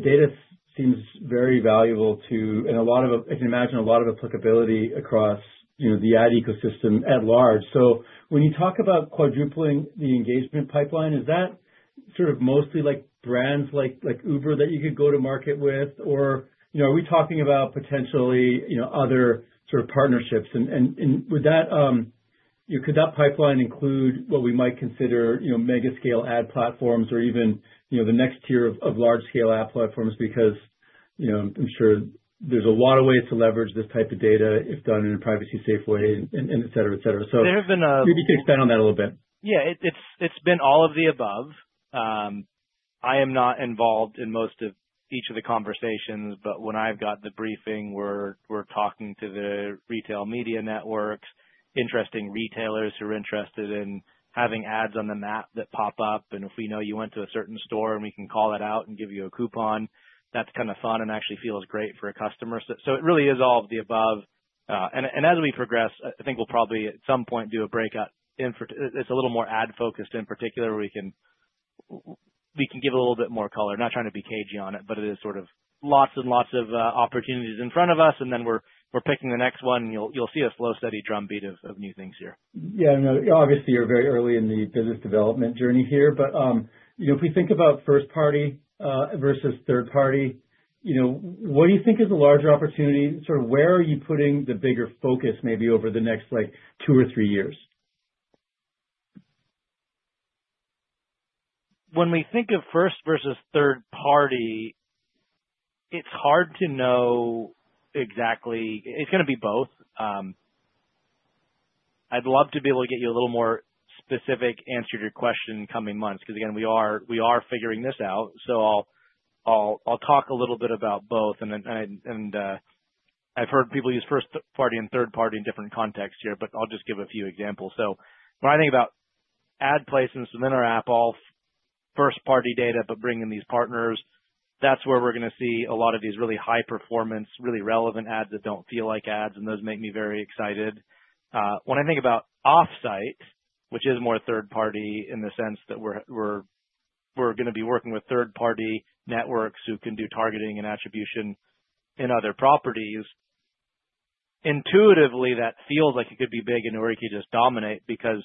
data seems very valuable to, and I can imagine a lot of applicability across the ad ecosystem at large. So when you talk about quadrupling the engagement pipeline, is that sort of mostly brands like Uber that you could go to market with, or are we talking about potentially other sort of partnerships? And with that, could that pipeline include what we might consider mega-scale ad platforms or even the next tier of large-scale ad platforms? Because I'm sure there's a lot of ways to leverage this type of data if done in a privacy-safe way, and etc., etc. There have been a. Maybe you could expand on that a little bit. Yeah. It's been all of the above. I am not involved in most of each of the conversations, but when I've got the briefing, we're talking to the retail media networks, interesting retailers who are interested in having ads on the map that pop up. And if we know you went to a certain store, we can call it out and give you a coupon. That's kind of fun and actually feels great for a customer. So it really is all of the above. And as we progress, I think we'll probably at some point do a breakout. It's a little more ad-focused in particular, where we can give a little bit more color. I'm not trying to be cagey on it, but it is sort of lots and lots of opportunities in front of us. And then we're picking the next one, and you'll see a slow, steady drumbeat of new things here. Yeah. Obviously, you're very early in the business development journey here. But if we think about first-party versus third-party, what do you think is the larger opportunity? Sort of where are you putting the bigger focus maybe over the next two or three years? When we think of first versus third-party, it's hard to know exactly. It's going to be both. I'd love to be able to get you a little more specific answer to your question in the coming months because, again, we are figuring this out. So I'll talk a little bit about both, and I've heard people use first-party and third-party in different contexts here, but I'll just give a few examples, so when I think about ad placements within our app, all first-party data, but bringing these partners, that's where we're going to see a lot of these really high-performance, really relevant ads that don't feel like ads, and those make me very excited. When I think about off-site, which is more third-party in the sense that we're going to be working with third-party networks who can do targeting and attribution in other properties, intuitively, that feels like it could be big and where you could just dominate because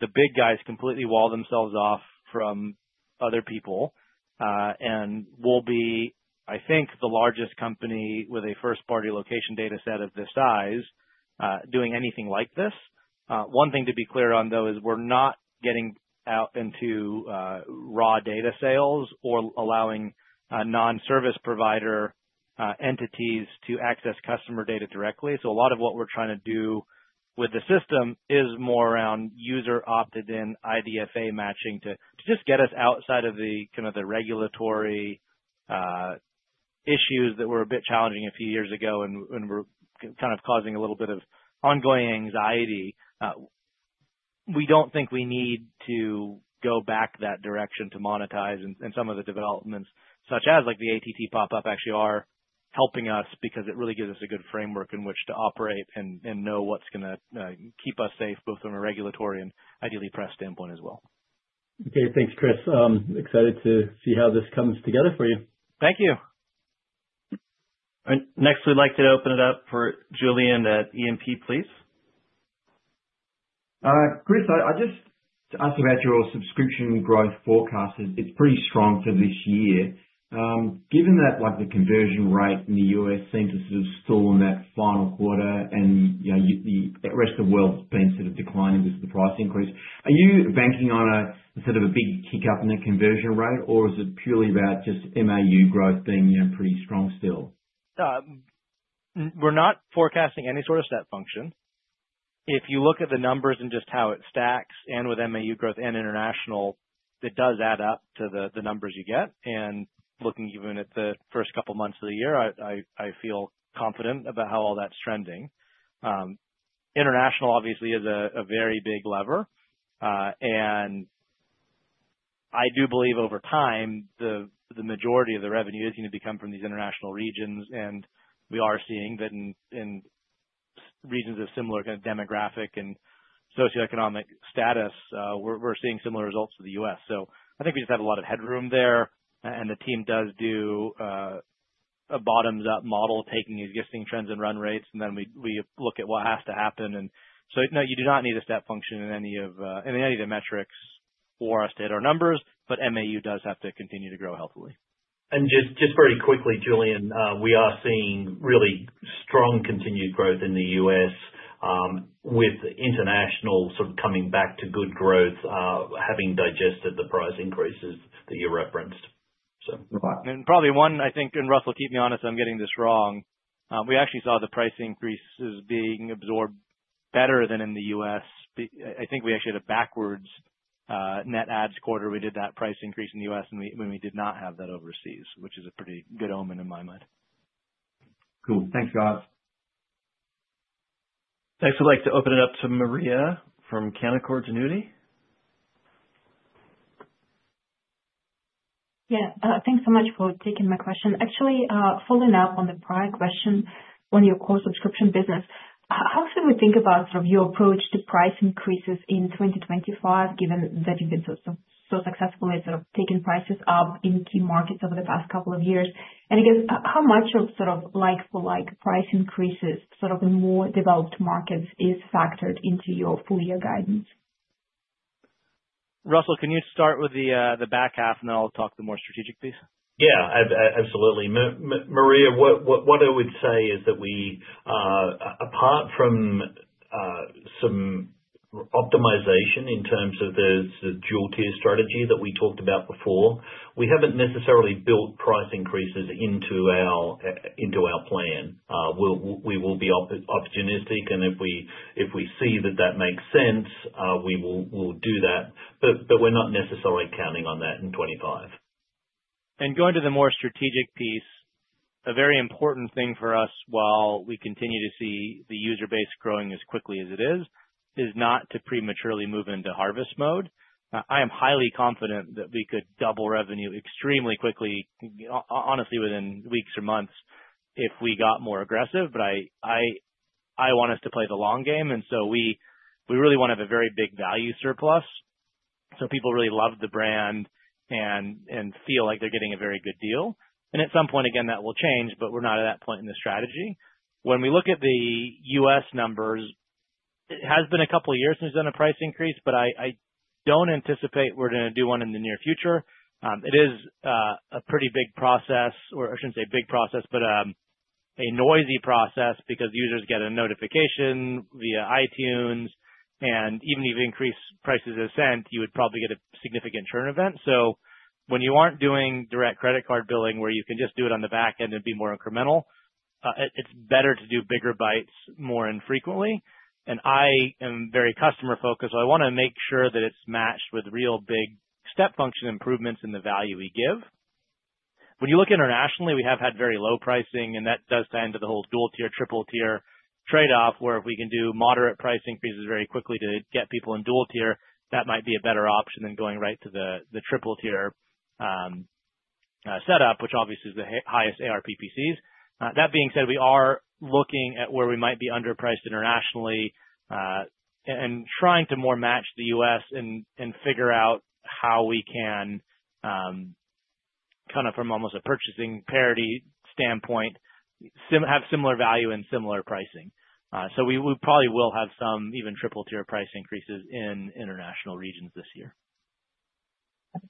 the big guys completely wall themselves off from other people, and we'll be, I think, the largest company with a first-party location data set of this size doing anything like this. One thing to be clear on, though, is we're not getting out into raw data sales or allowing non-service provider entities to access customer data directly. So a lot of what we're trying to do with the system is more around user-opted-in IDFA matching to just get us outside of the kind of regulatory issues that were a bit challenging a few years ago and were kind of causing a little bit of ongoing anxiety. We don't think we need to go back that direction to monetize. And some of the developments, such as the ATT pop-up, actually are helping us because it really gives us a good framework in which to operate and know what's going to keep us safe, both from a regulatory and IDFA standpoint as well. Okay. Thanks, Chris. Excited to see how this comes together for you. Thank you. All right. Next, we'd like to open it up for Julian at E&P, please. Chris, I just asked about your subscription growth forecast. It's pretty strong for this year. Given that the conversion rate in the U.S. seemed to sort of stall in that final quarter, and the rest of the world has been sort of declining because of the price increase, are you banking on sort of a big kick-up in the conversion rate, or is it purely about just MAU growth being pretty strong still? We're not forecasting any sort of step function. If you look at the numbers and just how it stacks and with MAU growth and international, it does add up to the numbers you get. And looking even at the first couple of months of the year, I feel confident about how all that's trending. International, obviously, is a very big lever. And I do believe over time, the majority of the revenue is going to become from these international regions. And we are seeing that in regions of similar kind of demographic and socioeconomic status, we're seeing similar results to the U.S. So I think we just have a lot of headroom there. And the team does do a bottoms-up model, taking existing trends and run rates, and then we look at what has to happen. No, you do not need a step function in any of the metrics for us to hit our numbers, but MAU does have to continue to grow healthily. Just very quickly, Julian, we are seeing really strong continued growth in the U.S. with international sort of coming back to good growth, having digested the price increases that you referenced, so. Probably one, I think, and Russell, keep me honest. I'm getting this wrong. We actually saw the price increases being absorbed better than in the U.S. I think we actually had a backward net adds quarter. We did that price increase in the U.S., and we did not have that overseas, which is a pretty good omen in my mind. Cool. Thanks, guys. Next, I'd like to open it up to Maria from Canaccord Genuity. Yeah. Thanks so much for taking my question. Actually, following up on the prior question on your core subscription business, how should we think about sort of your approach to price increases in 2025, given that you've been so successful at sort of taking prices up in key markets over the past couple of years? And I guess, how much of sort of like-for-like price increases sort of in more developed markets is factored into your full-year guidance? Russell, can you start with the back half, and then I'll talk the more strategic piece? Yeah. Absolutely. Maria, what I would say is that we, apart from some optimization in terms of the dual-tier strategy that we talked about before, we haven't necessarily built price increases into our plan. We will be opportunistic, and if we see that that makes sense, we will do that. But we're not necessarily counting on that in 2025. Going to the more strategic piece, a very important thing for us while we continue to see the user base growing as quickly as it is, is not to prematurely move into harvest mode. I am highly confident that we could double revenue extremely quickly, honestly, within weeks or months if we got more aggressive. But I want us to play the long game, and so we really want to have a very big value surplus so people really love the brand and feel like they're getting a very good deal. At some point, again, that will change, but we're not at that point in the strategy. When we look at the U.S. numbers, it has been a couple of years since we've done a price increase, but I don't anticipate we're going to do one in the near future. It is a pretty big process, or I shouldn't say a big process, but a noisy process because users get a notification via iTunes, and even if you increase prices a cent, you would probably get a significant churn event, so when you aren't doing direct credit card billing, where you can just do it on the back end and be more incremental, it's better to do bigger bites more infrequently, and I am very customer-focused. I want to make sure that it's matched with real big step function improvements in the value we give. When you look internationally, we have had very low pricing, and that does tie into the whole dual-tier, triple-tier trade-off, where if we can do moderate price increases very quickly to get people in dual-tier, that might be a better option than going right to the triple-tier setup, which obviously is the highest ARPPCs. That being said, we are looking at where we might be underpriced internationally and trying to more match the U.S. and figure out how we can kind of, from almost a purchasing parity standpoint, have similar value and similar pricing. So we probably will have some even triple-tier price increases in international regions this year.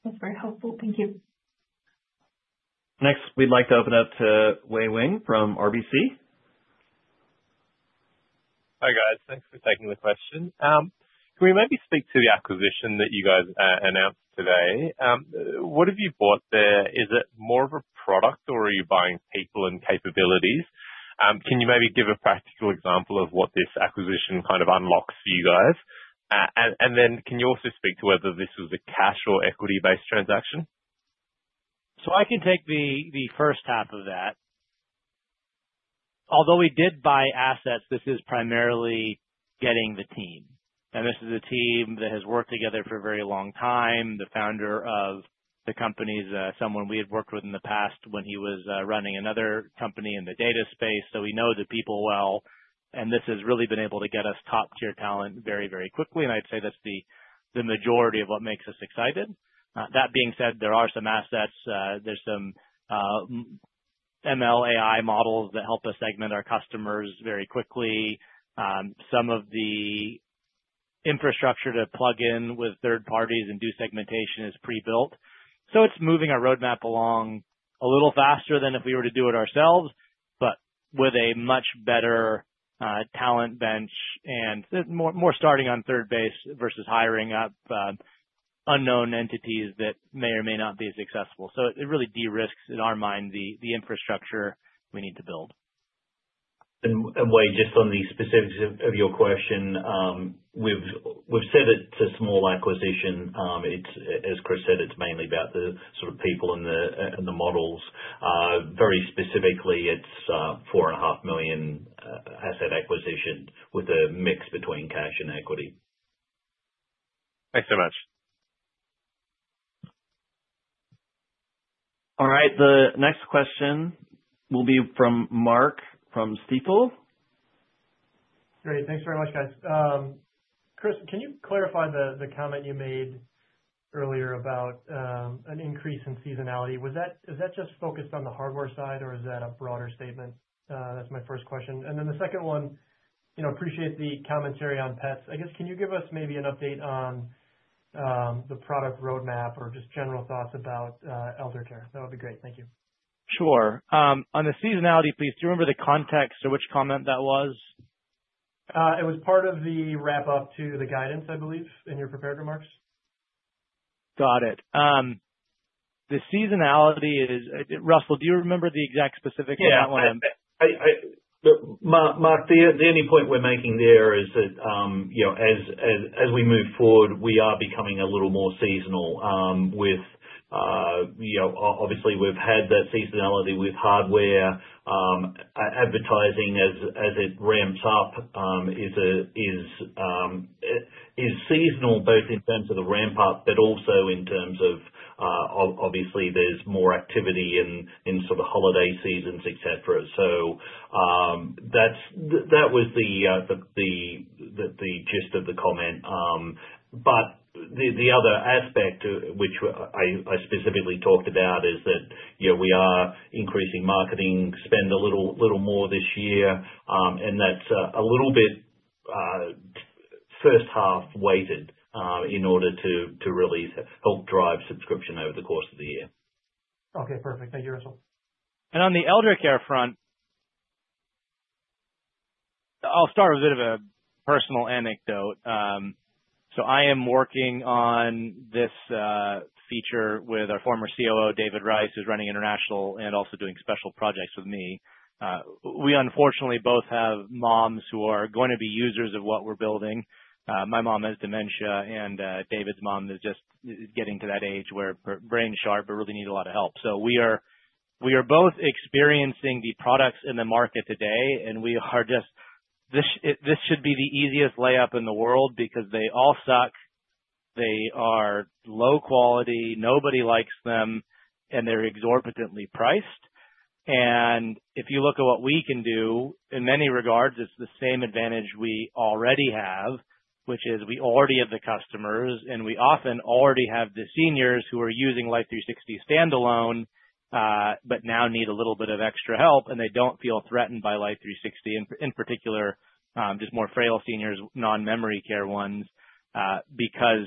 That's very helpful. Thank you. Next, we'd like to open up to Wei-Weng from RBC. Hi guys. Thanks for taking the question. Can we maybe speak to the acquisition that you guys announced today? What have you bought there? Is it more of a product, or are you buying people and capabilities? Can you maybe give a practical example of what this acquisition kind of unlocks for you guys? And then can you also speak to whether this was a cash or equity-based transaction? So I can take the first half of that. Although we did buy assets, this is primarily getting the team. And this is a team that has worked together for a very long time. The founder of the company is someone we had worked with in the past when he was running another company in the data space. So we know the people well. And this has really been able to get us top-tier talent very, very quickly. And I'd say that's the majority of what makes us excited. That being said, there are some assets. There's some ML AI models that help us segment our customers very quickly. Some of the infrastructure to plug in with third parties and do segmentation is pre-built. So it's moving our roadmap along a little faster than if we were to do it ourselves, but with a much better talent bench and more starting on third base versus hiring up unknown entities that may or may not be successful. So it really de-risks, in our mind, the infrastructure we need to build. And Wei, just on the specifics of your question, we've said it's a small acquisition. As Chris said, it's mainly about the sort of people and the models. Very specifically, it's a $4.5 million asset acquisition with a mix between cash and equity. Thanks so much. All right. The next question will be from Mark from Stifel. Great. Thanks very much, guys. Chris, can you clarify the comment you made earlier about an increase in seasonality? Is that just focused on the hardware side, or is that a broader statement? That's my first question. And then the second one, appreciate the commentary on pets. I guess, can you give us maybe an update on the product roadmap or just general thoughts about elder care? That would be great. Thank you. Sure. On the seasonality, please. Do you remember the context of which comment that was? It was part of the wrap-up to the guidance, I believe, in your prepared remarks. Got it. The seasonality is Russell, do you remember the exact specifics of that one? Yeah. Mark, the only point we're making there is that as we move forward, we are becoming a little more seasonal with obviously, we've had the seasonality with hardware. Advertising, as it ramps up, is seasonal both in terms of the ramp-up, but also in terms of obviously, there's more activity in sort of holiday seasons, etc. So that was the gist of the comment. But the other aspect, which I specifically talked about, is that we are increasing marketing spend a little more this year, and that's a little bit first-half weighted in order to really help drive subscription over the course of the year. Okay. Perfect. Thank you, Russell. On the elder care front, I'll start with a bit of a personal anecdote. I am working on this feature with our former COO, David Rice, who's running international and also doing special projects with me. We, unfortunately, both have moms who are going to be users of what we're building. My mom has dementia, and David's mom is just getting to that age where brain's sharp, but really need a lot of help. We are both experiencing the products in the market today, and we are just this should be the easiest layup in the world because they all suck. They are low quality. Nobody likes them, and they're exorbitantly priced. And if you look at what we can do, in many regards, it's the same advantage we already have, which is we already have the customers, and we often already have the seniors who are using Life360 standalone but now need a little bit of extra help, and they don't feel threatened by Life360, in particular, just more frail seniors, non-memory care ones, because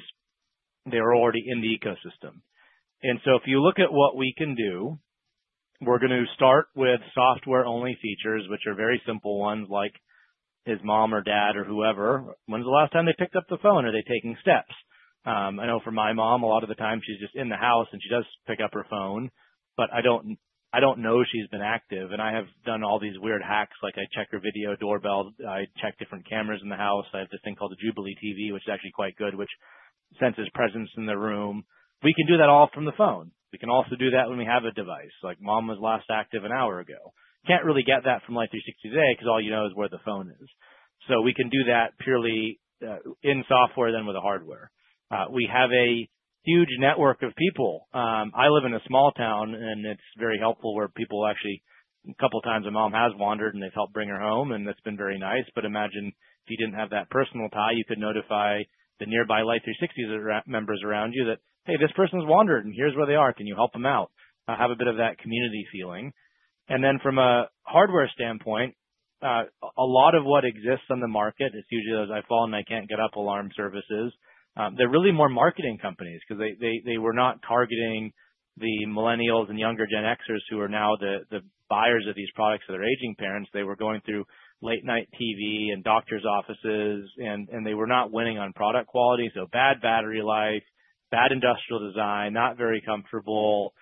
they're already in the ecosystem. And so if you look at what we can do, we're going to start with software-only features, which are very simple ones, like his mom or dad or whoever. When's the last time they picked up the phone? Are they taking steps? I know for my mom, a lot of the time, she's just in the house, and she does pick up her phone, but I don't know she's been active. And I have done all these weird hacks. I check her video doorbell. I check different cameras in the house. I have this thing called the JubileeTV, which is actually quite good, which senses presence in the room. We can do that all from the phone. We can also do that when we have a device. Like mom was last active an hour ago. Can't really get that from Life360 today because all you know is where the phone is. So we can do that purely in software than with the hardware. We have a huge network of people. I live in a small town, and it's very helpful where people actually a couple of times my mom has wandered, and they've helped bring her home, and that's been very nice. But imagine if you didn't have that personal tie. You could notify the nearby Life360 members around you that, "Hey, this person's wandered, and here's where they are. Can you help them out?" Have a bit of that community feeling. And then from a hardware standpoint, a lot of what exists on the market. It's usually those I fall and I can't get up alarm services. They're really more marketing companies because they were not targeting the Millennials and younger Gen Xers who are now the buyers of these products for their aging parents. They were going through late-night TV and doctor's offices, and they were not winning on product quality. So bad battery life, bad industrial design, not very comfortable,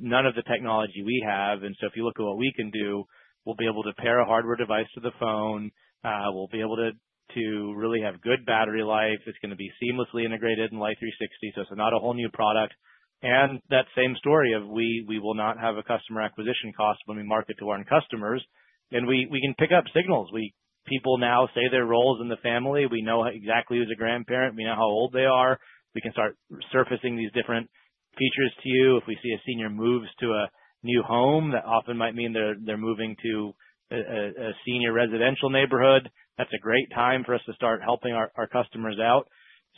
none of the technology we have. And so if you look at what we can do, we'll be able to pair a hardware device to the phone. We'll be able to really have good battery life. It's going to be seamlessly integrated in Life360, so it's not a whole new product. And that same story of we will not have a customer acquisition cost when we market to our customers. And we can pick up signals. People now say their roles in the family. We know exactly who's a grandparent. We know how old they are. We can start surfacing these different features to you. If we see a senior move to a new home, that often might mean they're moving to a senior residential neighborhood. That's a great time for us to start helping our customers out.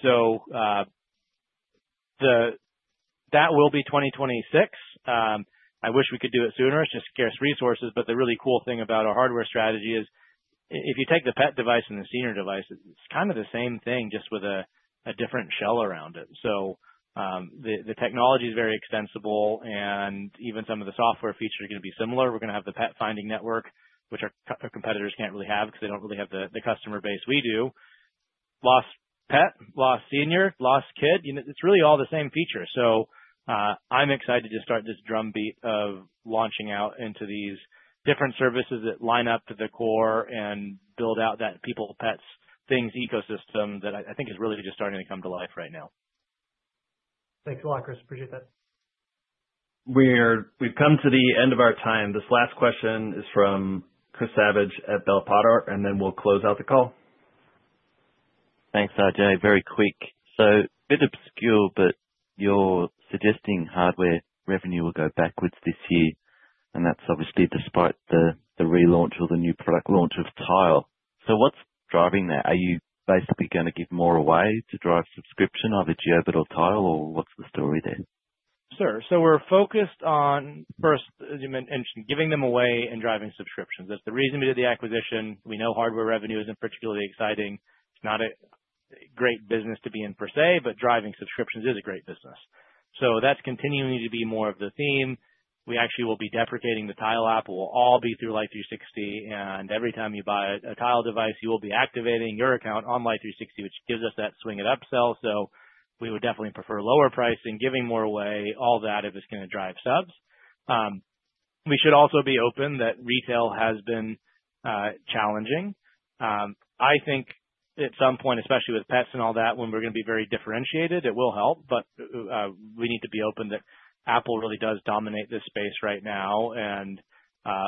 So that will be 2026. I wish we could do it sooner. It's just scarce resources. But the really cool thing about our hardware strategy is if you take the pet device and the senior device, it's kind of the same thing, just with a different shell around it. So the technology is very extensible, and even some of the software features are going to be similar. We're going to have the pet finding network, which our competitors can't really have because they don't really have the customer base we do. Lost pet, lost senior, lost kid. It's really all the same feature. So I'm excited to start this drumbeat of launching out into these different services that line up to the core and build out that people-pets-things ecosystem that I think is really just starting to come to life right now. Thanks a lot, Chris. Appreciate that. We've come to the end of our time. This last question is from Chris Savage at Bell Potter, and then we'll close out the call. Thanks, RJ. Very quick. So a bit obscure, but you're suggesting hardware revenue will go backwards this year, and that's obviously despite the relaunch or the new product launch of Tile. So what's driving that? Are you basically going to give more away to drive subscription, either Jiobit or Tile, or what's the story there? Sure. So we're focused on, first, as you mentioned, giving them away and driving subscriptions. That's the reason we did the acquisition. We know hardware revenue isn't particularly exciting. It's not a great business to be in per se, but driving subscriptions is a great business. So that's continuing to be more of the theme. We actually will be deprecating the Tile app. It will all be through Life360. And every time you buy a Tile device, you will be activating your account on Life360, which gives us that upsell. So we would definitely prefer lower pricing, giving more away, all that if it's going to drive subs. We should also be open that retail has been challenging. I think at some point, especially with pets and all that, when we're going to be very differentiated, it will help. But we need to be open that Apple really does dominate this space right now. And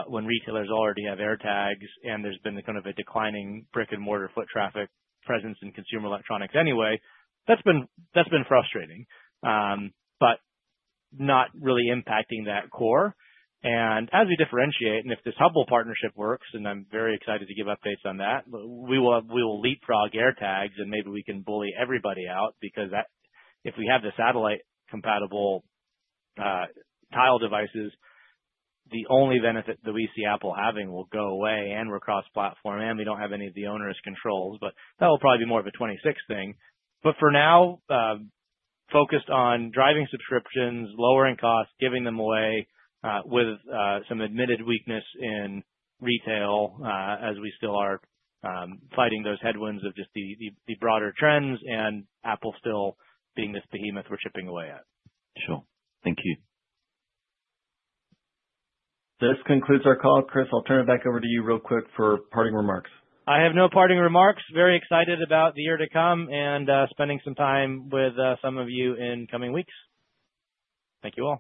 when retailers already have AirTags and there's been kind of a declining brick-and-mortar foot traffic presence in consumer electronics anyway, that's been frustrating, but not really impacting that core. And as we differentiate, and if this Hubble partnership works, and I'm very excited to give updates on that, we will leapfrog AirTags, and maybe we can bully everybody out because if we have the satellite-compatible Tile devices, the only benefit that we see Apple having will go away, and we're cross-platform, and we don't have any of the owner's controls. But that will probably be more of a 2026 thing. But for now, focused on driving subscriptions, lowering costs, giving them away with some admitted weakness in retail as we still are fighting those headwinds of just the broader trends and Apple still being this behemoth we're chipping away at. Sure. Thank you. This concludes our call. Chris, I'll turn it back over to you real quick for parting remarks. I have no parting remarks. Very excited about the year to come and spending some time with some of you in coming weeks. Thank you all.